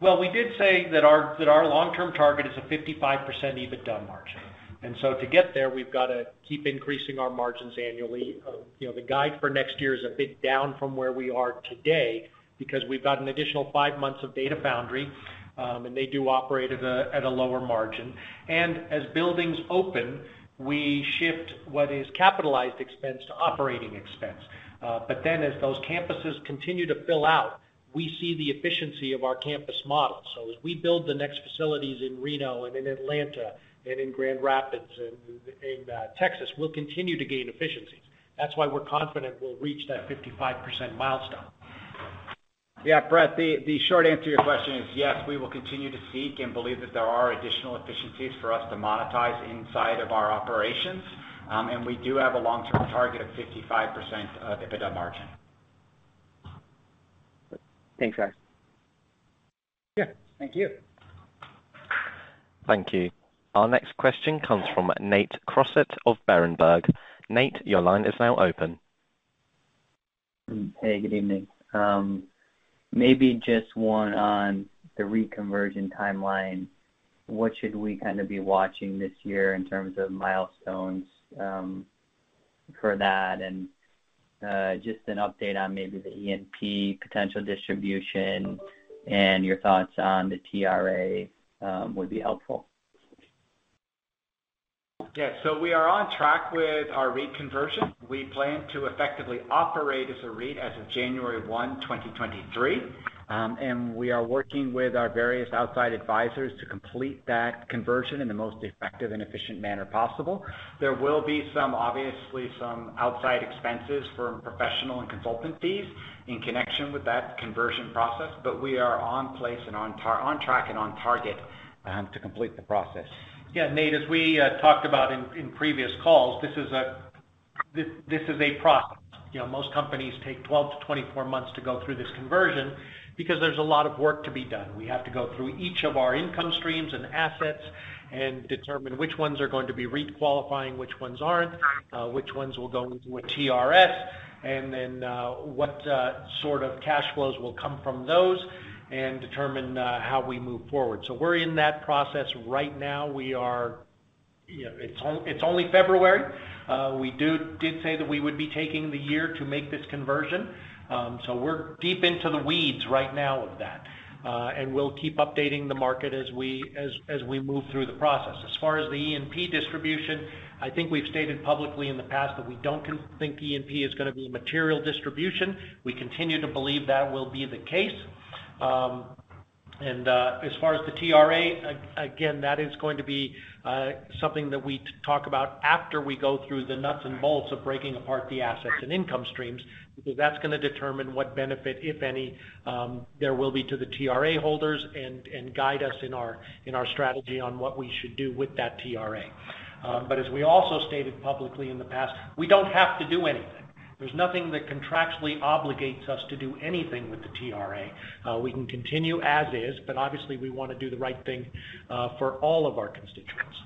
Well, we did say that our long-term target is a 55% EBITDA margin. To get there, we've got to keep increasing our margins annually. You know, the guide for next year is a bit down from where we are today because we've got an additional 5 months of Data Foundry, and they do operate at a lower margin. As buildings open, we shift what is capitalized expense to operating expense. But then as those campuses continue to fill out, we see the efficiency of our campus model. As we build the next facilities in Reno and in Atlanta and in Grand Rapids and in Texas, we'll continue to gain efficiencies. That's why we're confident we'll reach that 55% milestone. Yeah, Brett, the short answer to your question is, yes, we will continue to seek and believe that there are additional efficiencies for us to monetize inside of our operations. We do have a long-term target of 55% EBITDA margin. Thanks, guys. Yeah. Thank you. Thank you. Our next question comes from Nate Crossett of Berenberg. Nate, your line is now open. Hey, good evening. Maybe just one on the REIT conversion timeline. What should we kind of be watching this year in terms of milestones, for that? Just an update on maybe the E&P potential distribution and your thoughts on the TRA would be helpful. Yeah. We are on track with our REIT conversion. We plan to effectively operate as a REIT as of January 1, 2023. We are working with our various outside advisors to complete that conversion in the most effective and efficient manner possible. There will be some, obviously, outside expenses from professional and consultant fees in connection with that conversion process, but we are on track and on target to complete the process. Yeah. Nate, as we talked about in previous calls, this is a process. You know, most companies take 12-24 months to go through this conversion because there's a lot of work to be done. We have to go through each of our income streams and assets and determine which ones are going to be REIT qualifying, which ones aren't, which ones will go into a TRS, and then what sort of cash flows will come from those and determine how we move forward. We're in that process right now. You know, it's only February. We did say that we would be taking the year to make this conversion. We're deep into the weeds right now with that. We'll keep updating the market as we move through the process. As far as the E&P distribution, I think we've stated publicly in the past that we don't think E&P is gonna be a material distribution. We continue to believe that will be the case. As far as the TRA, that is going to be something that we talk about after we go through the nuts and bolts of breaking apart the assets and income streams, because that's gonna determine what benefit, if any, there will be to the TRA holders and guide us in our strategy on what we should do with that TRA. As we also stated publicly in the past, we don't have to do anything. There's nothing that contractually obligates us to do anything with the TRA. We can continue as is, but obviously we want to do the right thing for all of our constituents.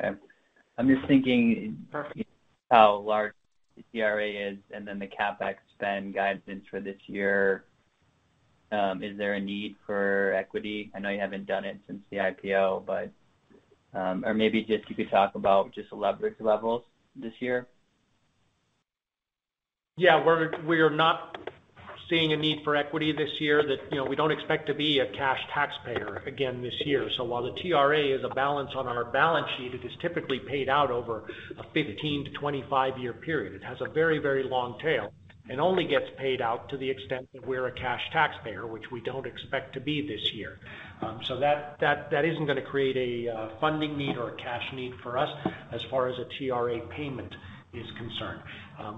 Okay. I'm just thinking how large the TRA is and then the CapEx spend guidance for this year. Is there a need for equity? I know you haven't done it since the IPO, but. Or maybe just you could talk about just leverage levels this year. Yeah. We are not seeing a need for equity this year that, you know, we don't expect to be a cash taxpayer again this year. While the TRA is a balance on our balance sheet, it is typically paid out over a 15-25 year period. It has a very, very long tail and only gets paid out to the extent that we're a cash taxpayer, which we don't expect to be this year. That isn't gonna create a funding need or a cash need for us as far as a TRA payment is concerned.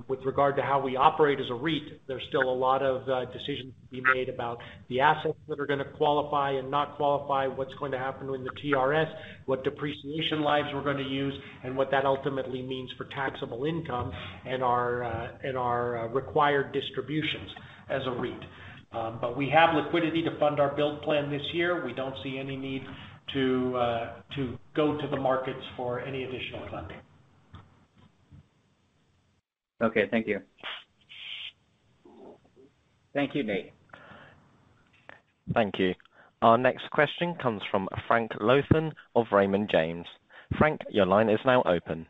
With regard to how we operate as a REIT, there's still a lot of decisions to be made about the assets that are gonna qualify and not qualify, what's going to happen with the TRS, what depreciation lives we're gonna use, and what that ultimately means for taxable income and our required distributions as a REIT. We have liquidity to fund our build plan this year. We don't see any need to go to the markets for any additional funding. Okay, thank you. Thank you, Nate. Thank you. Our next question comes from Frank Louthan of Raymond James. Frank, your line is now open.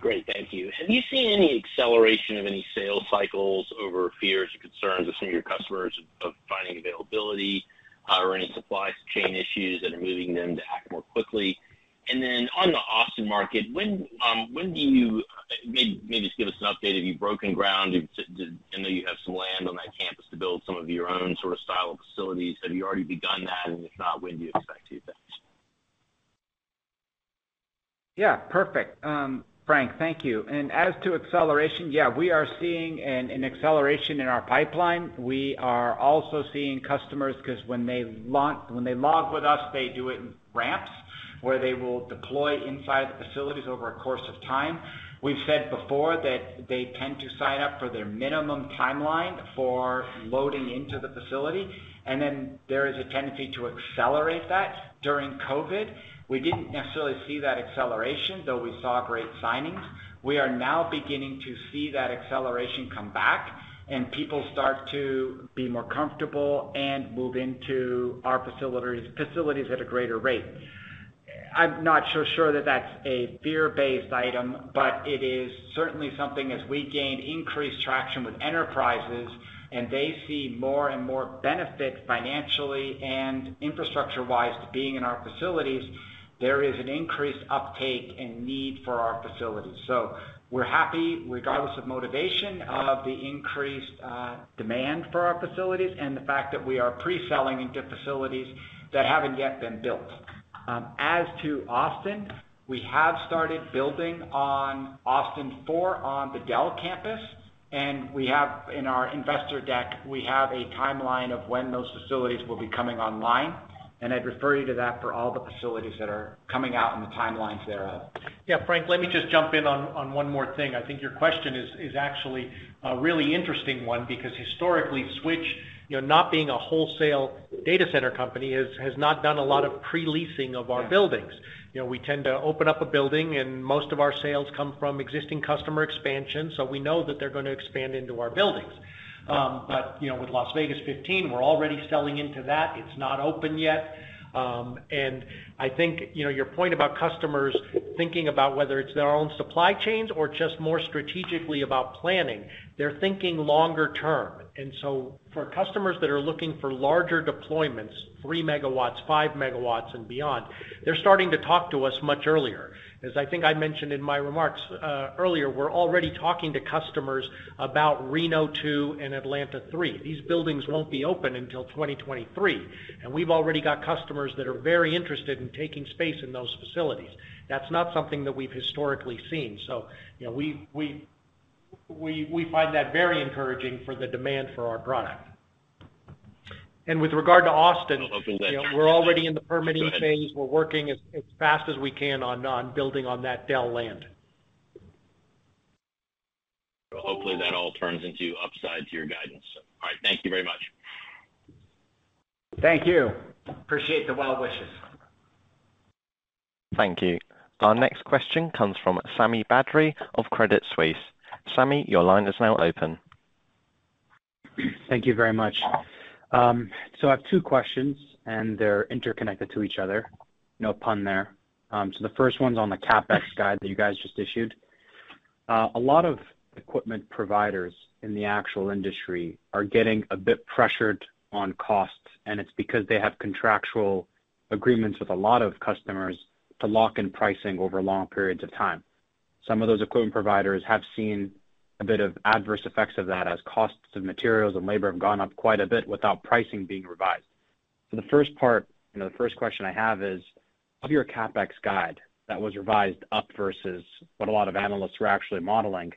Great. Thank you. Have you seen any acceleration of any sales cycles over fears or concerns of some of your customers of finding availability, or any supply chain issues that are moving them to act more quickly? On the Austin market, may you just give us an update if you've broken ground? I know you have some land on that campus to build some of your own sort of style of facilities. Have you already begun that? If not, when do you expect to do that? Yeah. Perfect. Frank, thank you. As to acceleration, yeah, we are seeing an acceleration in our pipeline. We are also seeing customers, 'cause when they log with us, they do it in ramps, where they will deploy inside the facilities over a course of time. We've said before that they tend to sign up for their minimum timeline for loading into the facility, and then there is a tendency to accelerate that. During COVID, we didn't necessarily see that acceleration, though we saw great signings. We are now beginning to see that acceleration come back and people start to be more comfortable and move into our facilities at a greater rate. I'm not so sure that that's a fear-based item, but it is certainly something as we gain increased traction with enterprises and they see more and more benefits financially and infrastructure-wise to being in our facilities, there is an increased uptake and need for our facilities. We're happy, regardless of motivation, of the increased demand for our facilities and the fact that we are pre-selling into facilities that haven't yet been built. As to Austin, we have started building on Austin 4 on the Dell campus and in our investor deck, we have a timeline of when those facilities will be coming online, and I'd refer you to that for all the facilities that are coming out and the timelines thereof. Yeah. Frank, let me just jump in on one more thing. I think your question is actually a really interesting one because historically Switch, you know, not being a wholesale data center company, has not done a lot of pre-leasing of our buildings. You know, we tend to open up a building, and most of our sales come from existing customer expansion, so we know that they're gonna expand into our buildings. You know, with Las Vegas 15, we're already selling into that. It's not open yet. I think, you know, your point about customers thinking about whether it's their own supply chains or just more strategically about planning, they're thinking longer term. For customers that are looking for larger deployments, 3 MW, 5 MW and beyond, they're starting to talk to us much earlier. As I think I mentioned in my remarks earlier, we're already talking to customers about Reno 2 and Atlanta 3. These buildings won't be open until 2023, and we've already got customers that are very interested in taking space in those facilities. That's not something that we've historically seen. You know, we find that very encouraging for the demand for our product. With regard to Austin. We're already in the permitting phase. We're working as fast as we can on building on that Dell land. Hopefully that all turns into upside to your guidance. All right. Thank you very much. Thank you. Appreciate the well wishes. Thank you. Our next question comes from Sami Badri of Credit Suisse. Sami, your line is now open. Thank you very much. I have two questions, and they're interconnected to each other. No pun there. The first one's on the CapEx guide that you guys just issued. A lot of equipment providers in the actual industry are getting a bit pressured on costs, and it's because they have contractual agreements with a lot of customers to lock in pricing over long periods of time. Some of those equipment providers have seen a bit of adverse effects of that as costs of materials and labor have gone up quite a bit without pricing being revised. The first part, you know, the first question I have is, of your CapEx guide that was revised up versus what a lot of analysts were actually modeling,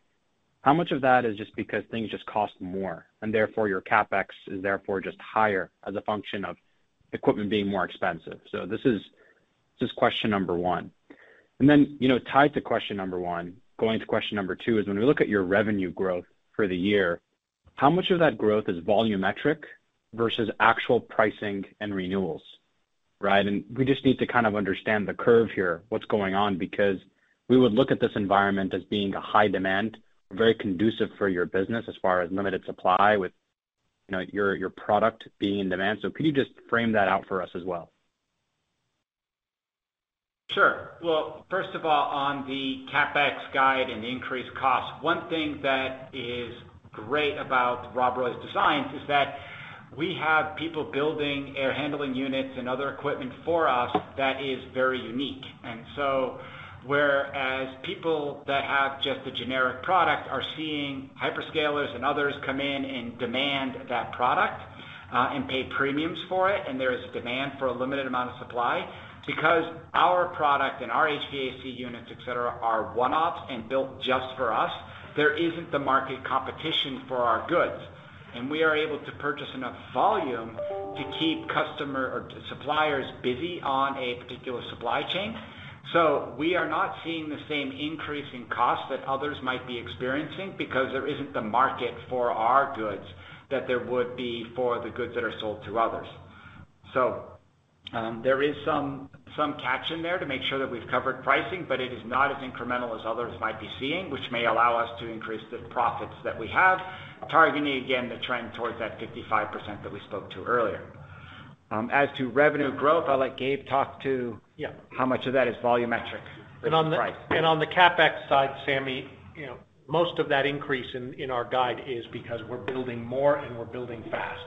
how much of that is just because things just cost more, and therefore your CapEx is therefore just higher as a function of equipment being more expensive? This is question number one. You know, tied to question number one, going to question number two, is when we look at your revenue growth for the year, how much of that growth is volumetric versus actual pricing and renewals, right? We just need to kind of understand the curve here, what's going on, because we would look at this environment as being a high demand, very conducive for your business as far as limited supply with, you know, your product being in demand. Could you just frame that out for us as well? Sure. Well, first of all, on the CapEx guide and the increased cost, one thing that is great about Rob Roy's designs is that we have people building air handling units and other equipment for us that is very unique. Whereas people that have just the generic product are seeing hyperscalers and others come in and demand that product, and pay premiums for it, and there is demand for a limited amount of supply. Because our product and our HVAC units, et cetera, are one-offs and built just for us, there isn't the market competition for our goods, and we are able to purchase enough volume to keep customer or suppliers busy on a particular supply chain. We are not seeing the same increase in cost that others might be experiencing because there isn't the market for our goods that there would be for the goods that are sold to others. There is some catch in there to make sure that we've covered pricing, but it is not as incremental as others might be seeing, which may allow us to increase the profits that we have, targeting again the trend towards that 55% that we spoke to earlier. As to revenue growth, I'll let Gabe talk to, how much of that is volumetric? On the CapEx side, Sami, you know, most of that increase in our guide is because we're building more and we're building fast,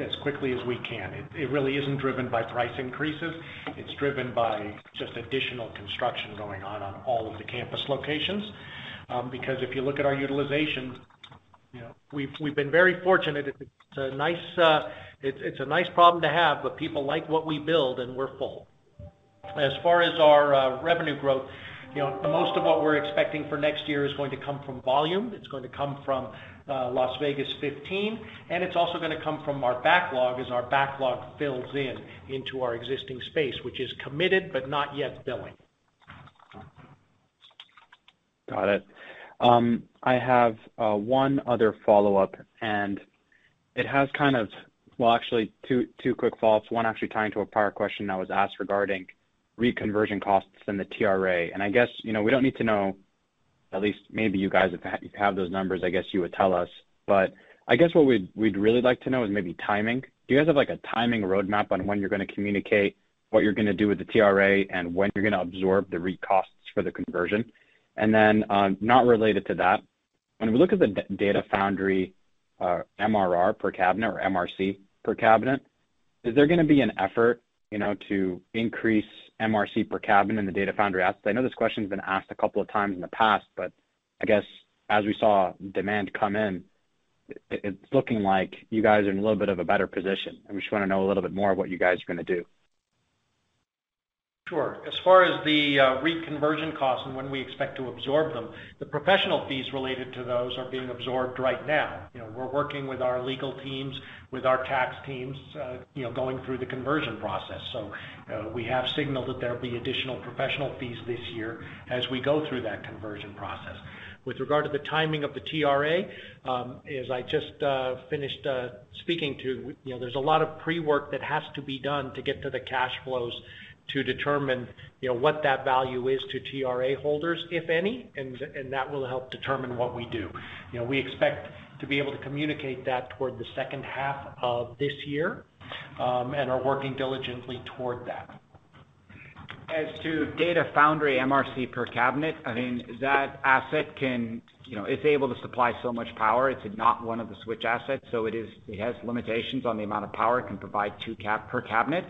as quickly as we can. It really isn't driven by price increases. It's driven by just additional construction going on in all of the campus locations. Because if you look at our utilization, you know, we've been very fortunate. It's a nice problem to have, but people like what we build and we're full. As far as our revenue growth, you know, most of what we're expecting for next year is going to come from volume. It's going to come from Las Vegas 15, and it's also gonna come from our backlog as our backlog fills into our existing space, which is committed but not yet billing. Got it. I have one other follow-up. Well, actually two quick follow-ups. One actually tying to a prior question that was asked regarding REIT conversion costs and the TRA. I guess, you know, we don't need to know, at least maybe you guys if you have those numbers, I guess you would tell us. I guess what we'd really like to know is maybe timing. Do you guys have, like, a timing roadmap on when you're gonna communicate what you're gonna do with the TRA and when you're gonna absorb the REIT conversion costs for the conversion? Then, not related to that, when we look at the Data Foundry, MRR per cabinet or MRC per cabinet, is there gonna be an effort, you know, to increase MRC per cabinet in the Data Foundry assets? I know this question's been asked a couple of times in the past, but I guess as we saw demand come in, it's looking like you guys are in a little bit of a better position, and we just wanna know a little bit more of what you guys are gonna do. Sure. As far as the REIT conversion costs and when we expect to absorb them, the professional fees related to those are being absorbed right now. You know, we're working with our legal teams, with our tax teams, you know, going through the conversion process. We have signaled that there'll be additional professional fees this year as we go through that conversion process. With regard to the timing of the TRA, as I just finished speaking to, you know, there's a lot of pre-work that has to be done to get to the cash flows to determine, you know, what that value is to TRA holders, if any, and that will help determine what we do. You know, we expect to be able to communicate that toward the second half of this year, and are working diligently toward that. As to Data Foundry MRC per cabinet, I mean, that asset can, you know, it's able to supply so much power. It's not one of the Switch assets, so it has limitations on the amount of power it can provide per cabinet.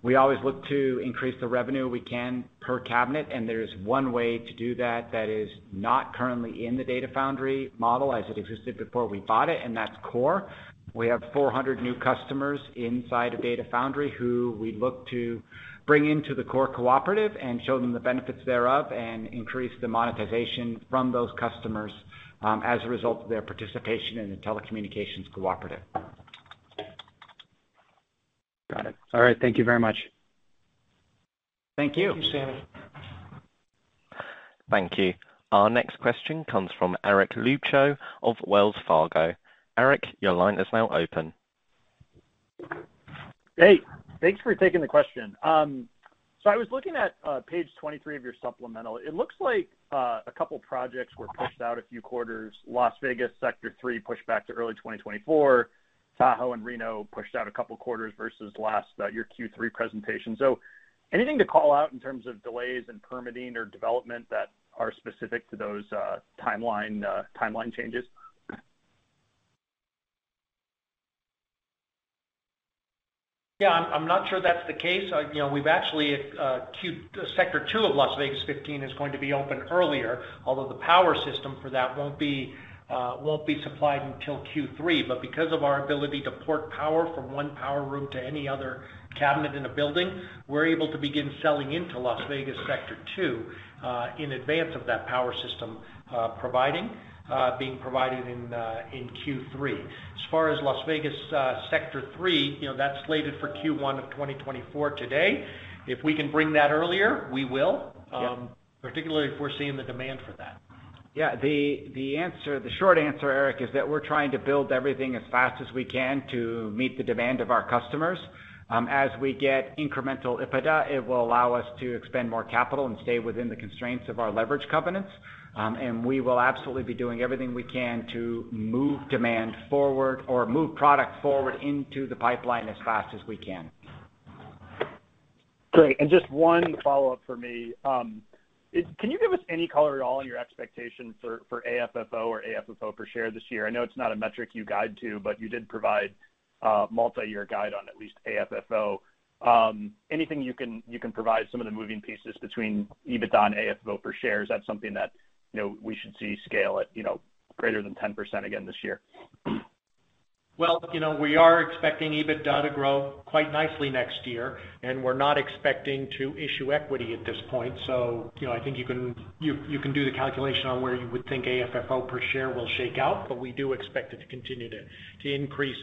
We always look to increase the revenue we can per cabinet, and there's one way to do that that is not currently in the Data Foundry model as it existed before we bought it, and that's CORE. We have 400 new customers inside of Data Foundry who we look to bring into the CORE Cooperative and show them the benefits thereof and increase the monetization from those customers, as a result of their participation in the telecommunications cooperative. Got it. All right. Thank you very much. Thank you. Thank you, Sami. Thank you. Our next question comes from Eric Luebchow of Wells Fargo. Eric, your line is now open. Hey, thanks for taking the question. So I was looking at page 23 of your supplemental. It looks like a couple of projects were pushed out a few quarters. Las Vegas sector 3 pushed back to early 2024. Tahoe and Reno pushed out a couple of quarters versus your last Q3 presentation. Anything to call out in terms of delays in permitting or development that are specific to those timeline changes? Yeah, I'm not sure that's the case. You know, we've actually sector 2 of Las Vegas is going to be open earlier, although the power system for that won't be supplied until Q3. Because of our ability to port power from one power room to any other cabinet in a building, we're able to begin selling into Las Vegas sector 2 in advance of that power system being provided in Q3. As far as Las Vegas sector 3, you know, that's slated for Q1 of 2024 today. If we can bring that earlier, we will. Yeah. Particularly if we're seeing the demand for that. Yeah. The short answer, Eric, is that we're trying to build everything as fast as we can to meet the demand of our customers. As we get incremental EBITDA, it will allow us to expend more capital and stay within the constraints of our leverage covenants. We will absolutely be doing everything we can to move demand forward or move product forward into the pipeline as fast as we can. Great. Just one follow-up for me. Can you give us any color at all on your expectations for AFFO or AFFO per share this year? I know it's not a metric you guide to, but you did provide a multi-year guide on at least AFFO. Anything you can provide some of the moving pieces between EBITDA and AFFO per share. Is that something that, you know, we should see scale at, you know, greater than 10% again this year? Well, you know, we are expecting EBITDA to grow quite nicely next year, and we're not expecting to issue equity at this point. You know, I think you can do the calculation on where you would think AFFO per share will shake out, but we do expect it to continue to increase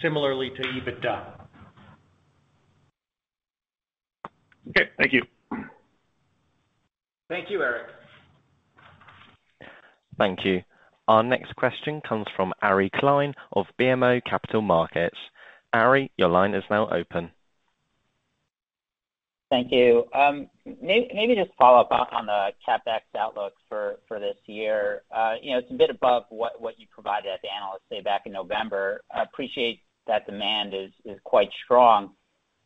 similarly to EBITDA. Okay. Thank you. Thank you, Eric. Thank you. Our next question comes from Ari Klein of BMO Capital Markets. Ari, your line is now open. Thank you. Maybe just follow up on the CapEx outlook for this year. You know, it's a bit above what you provided at the Analyst Day back in November. I appreciate that demand is quite strong.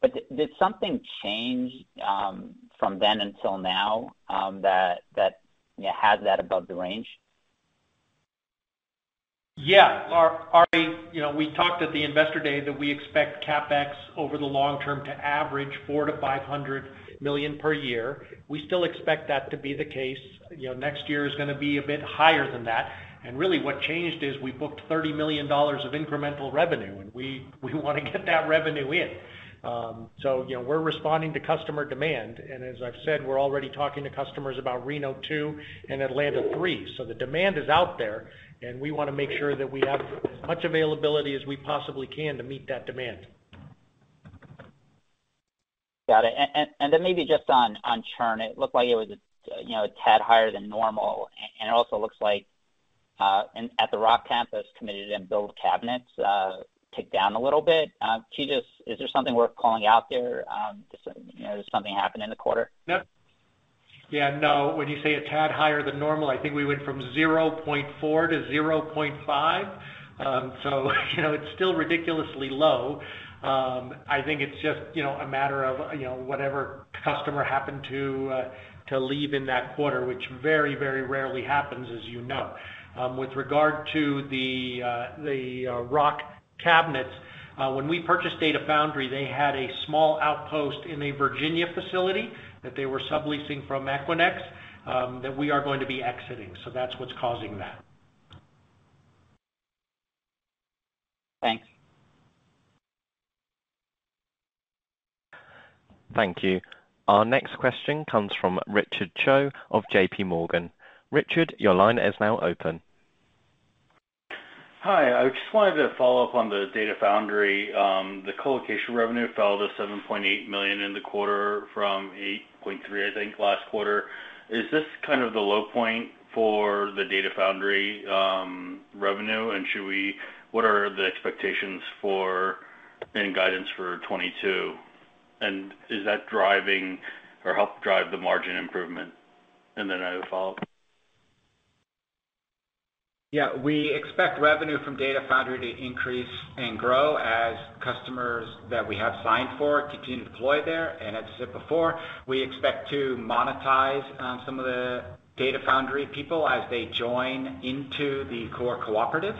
Did something change from then until now that you know has that above the range? Yeah. Ari, you know, we talked at the Investor Day that we expect CapEx over the long term to average $400 million-$500 million per year. We still expect that to be the case. You know, next year is gonna be a bit higher than that. Really what changed is we booked $30 million of incremental revenue, and we wanna get that revenue in. You know, we're responding to customer demand. As I've said, we're already talking to customers about Reno 2 and Atlanta 3. The demand is out there, and we wanna make sure that we have as much availability as we possibly can to meet that demand. Got it. Then maybe just on churn, it looked like it was, you know, a tad higher than normal. It also looks like at the Rock campus, committed and billed cabinets ticked down a little bit. Is there something worth calling out there? You know, did something happen in the quarter? No. Yeah, no. When you say a tad higher than normal, I think we went from 0.4% to 0.5%. So, you know, it's still ridiculously low. I think it's just, you know, a matter of, you know, whatever customer happened to leave in that quarter, which very, very rarely happens, as you know. With regard to the rack cabinets, when we purchased Data Foundry, they had a small outpost in a Virginia facility that they were subleasing from Equinix, that we are going to be exiting. So that's what's causing that. Thanks. Thank you. Our next question comes from Richard Choe of JPMorgan. Richard, your line is now open. Hi. I just wanted to follow up on the Data Foundry. The colocation revenue fell to $7.8 million in the quarter from $8.3 million, I think, last quarter. Is this kind of the low point for the Data Foundry revenue, and what are the expectations for any guidance for 2022? Is that driving or help drive the margin improvement? Then I have a follow-up. Yeah, we expect revenue from Data Foundry to increase and grow as customers that we have signed for continue to deploy there. We expect to monetize some of the Data Foundry people as they join into the CORE Cooperative,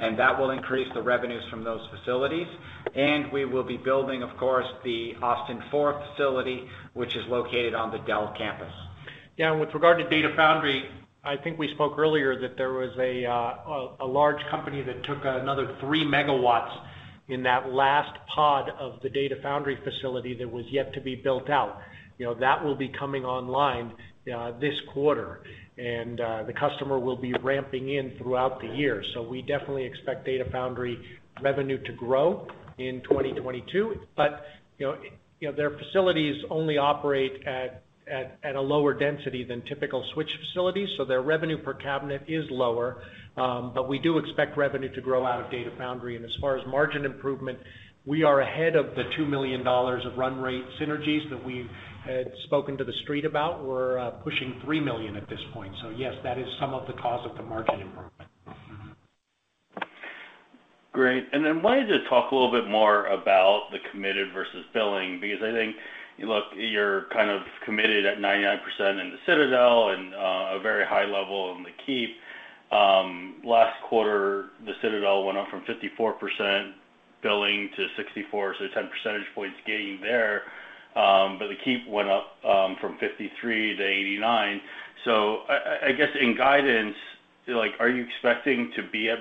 and that will increase the revenues from those facilities. We will be building, of course, the Austin four facility, which is located on the Dell campus. Yeah. With regard to Data Foundry, I think we spoke earlier that there was a large company that took another 3 MW in that last pod of the Data Foundry facility that was yet to be built out. You know, that will be coming online this quarter, and the customer will be ramping in throughout the year. We definitely expect Data Foundry revenue to grow in 2022. You know, their facilities only operate at a lower density than typical Switch facilities, so their revenue per cabinet is lower. We do expect revenue to grow out of Data Foundry. As far as margin improvement, we are ahead of the $2 million of run rate synergies that we had spoken to the street about. We're pushing $3 million at this point. Yes, that is some of the cause of the margin improvement. Great. Wanted to talk a little bit more about the committed versus billing, because I think, look, you're kind of committed at 99% in the Citadel and a very high level in The Keep. Last quarter, the Citadel went up from 54% billing to 64%, so ten percentage points gain there. But The Keep went up from 53% to 89%. I guess in guidance, like, are you expecting to be at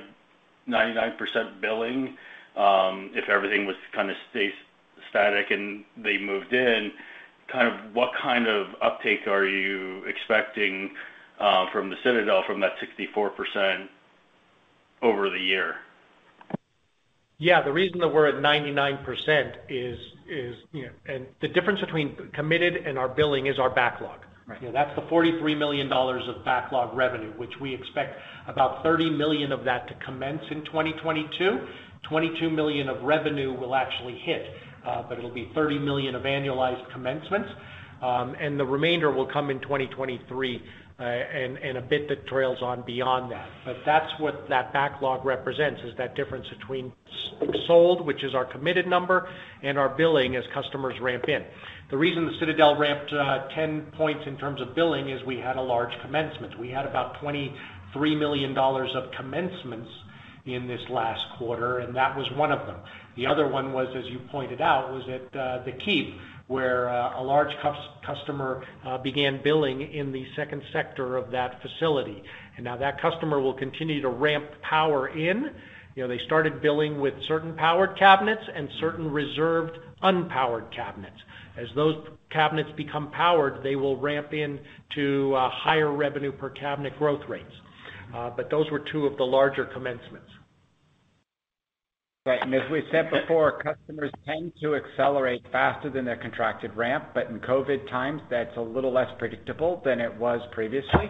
99% billing, if everything was kind of static and they moved in, kind of what kind of uptake are you expecting from the Citadel from that 64% over the year? Yeah. The reason that we're at 99% is, you know, and the difference between committed and our billing is our backlog. Right. You know, that's the $43 million of backlog revenue, which we expect about $30 million of that to commence in 2022. $22 million of revenue will actually hit, but it'll be $30 million of annualized commencements, and the remainder will come in 2023, and a bit that trails on beyond that. That's what that backlog represents, is that difference between sold, which is our committed number, and our billing as customers ramp in. The reason the Citadel ramped 10 points in terms of billing is we had a large commencement. We had about $23 million of commencements in this last quarter, and that was one of them. The other one, as you pointed out, was at The Keep, where a large customer began billing in the second sector of that facility. Now that customer will continue to ramp power in. You know, they started billing with certain powered cabinets and certain reserved unpowered cabinets. As those cabinets become powered, they will ramp in to higher revenue per cabinet growth rates. But those were two of the larger commencements. Right. As we said before, customers tend to accelerate faster than their contracted ramp. In COVID times, that's a little less predictable than it was previously.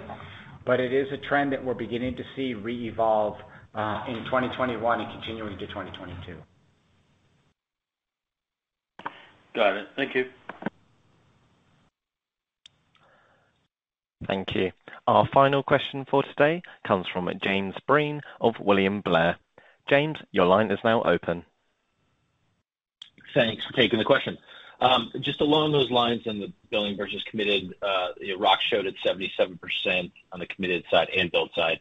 It is a trend that we're beginning to see re-evolve in 2021 and continuing to 2022. Got it. Thank you. Thank you. Our final question for today comes from James Breen of William Blair. James, your line is now open. Thanks for taking the question. Just along those lines in the billing versus committed, you know, Rob showed at 77% on the committed side and build side.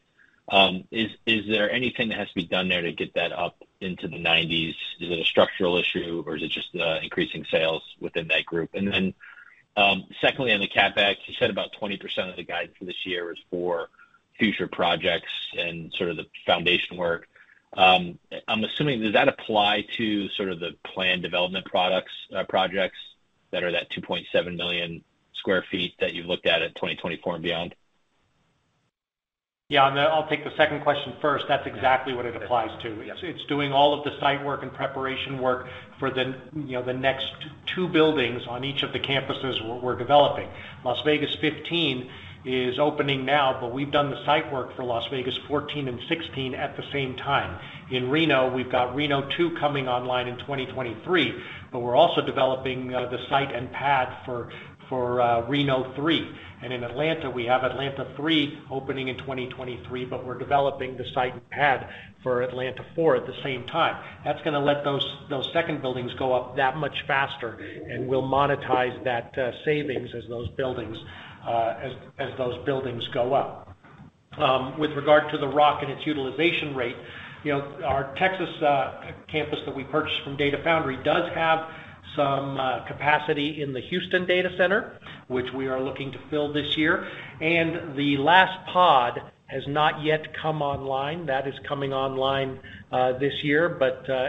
Is there anything that has to be done there to get that up into the 90s? Is it a structural issue, or is it just increasing sales within that group? Then, secondly, on the CapEx, you said about 20% of the guide for this year is for future projects and sort of the foundation work. I'm assuming, does that apply to sort of the planned development products, projects that are that 2.7 million sq ft that you looked at in 2024 and beyond? Yeah. I'll take the second question first. That's exactly what it applies to. Yes. It's doing all of the site work and preparation work for the, you know, the next two buildings on each of the campuses we're developing. Las Vegas 15 is opening now, but we've done the site work for Las Vegas 14 and 16 at the same time. In Reno, we've got Reno 2 coming online in 2023, but we're also developing the site and pad for Reno 3. In Atlanta, we have Atlanta 3 opening in 2023, but we're developing the site and pad for Atlanta 4 at the same time. That's gonna let those second buildings go up that much faster, and we'll monetize that savings as those buildings go up. With regard to the Rock and its utilization rate, you know, our Texas campus that we purchased from Data Foundry does have some capacity in the Houston data center, which we are looking to fill this year. The last pod has not yet come online. That is coming online this year.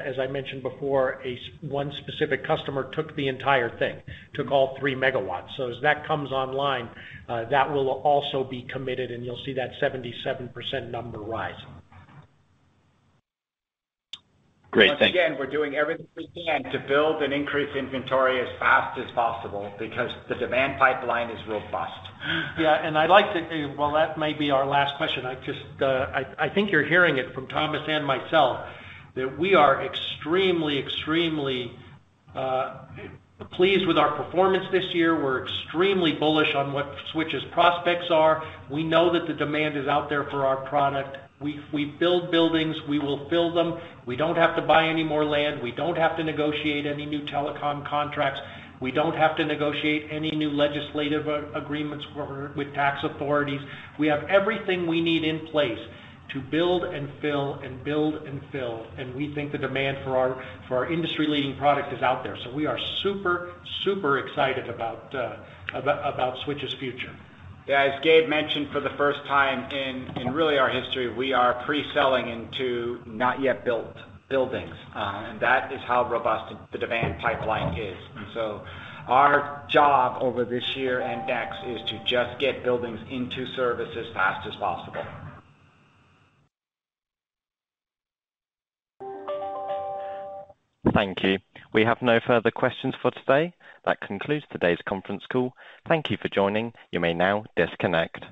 As I mentioned before, one specific customer took the entire thing, took all 3 MW. As that comes online, that will also be committed, and you'll see that 77% number rise. Great. Thank you. Once again, we're doing everything we can to build and increase inventory as fast as possible because the demand pipeline is robust. Yeah. While that may be our last question, I just, I think you're hearing it from Thomas and myself that we are extremely pleased with our performance this year. We're extremely bullish on what Switch's prospects are. We know that the demand is out there for our product. We build buildings, we will fill them. We don't have to buy any more land. We don't have to negotiate any new telecom contracts. We don't have to negotiate any new legislative agreements with tax authorities. We have everything we need in place to build and fill and build and fill. We think the demand for our industry-leading product is out there. We are super excited about Switch's future. As Gabe mentioned, for the first time in really our history, we are pre-selling into not yet built buildings. That is how robust the demand pipeline is. Our job over this year and next is to just get buildings into service as fast as possible. Thank you. We have no further questions for today. That concludes today's conference call. Thank you for joining. You may now disconnect.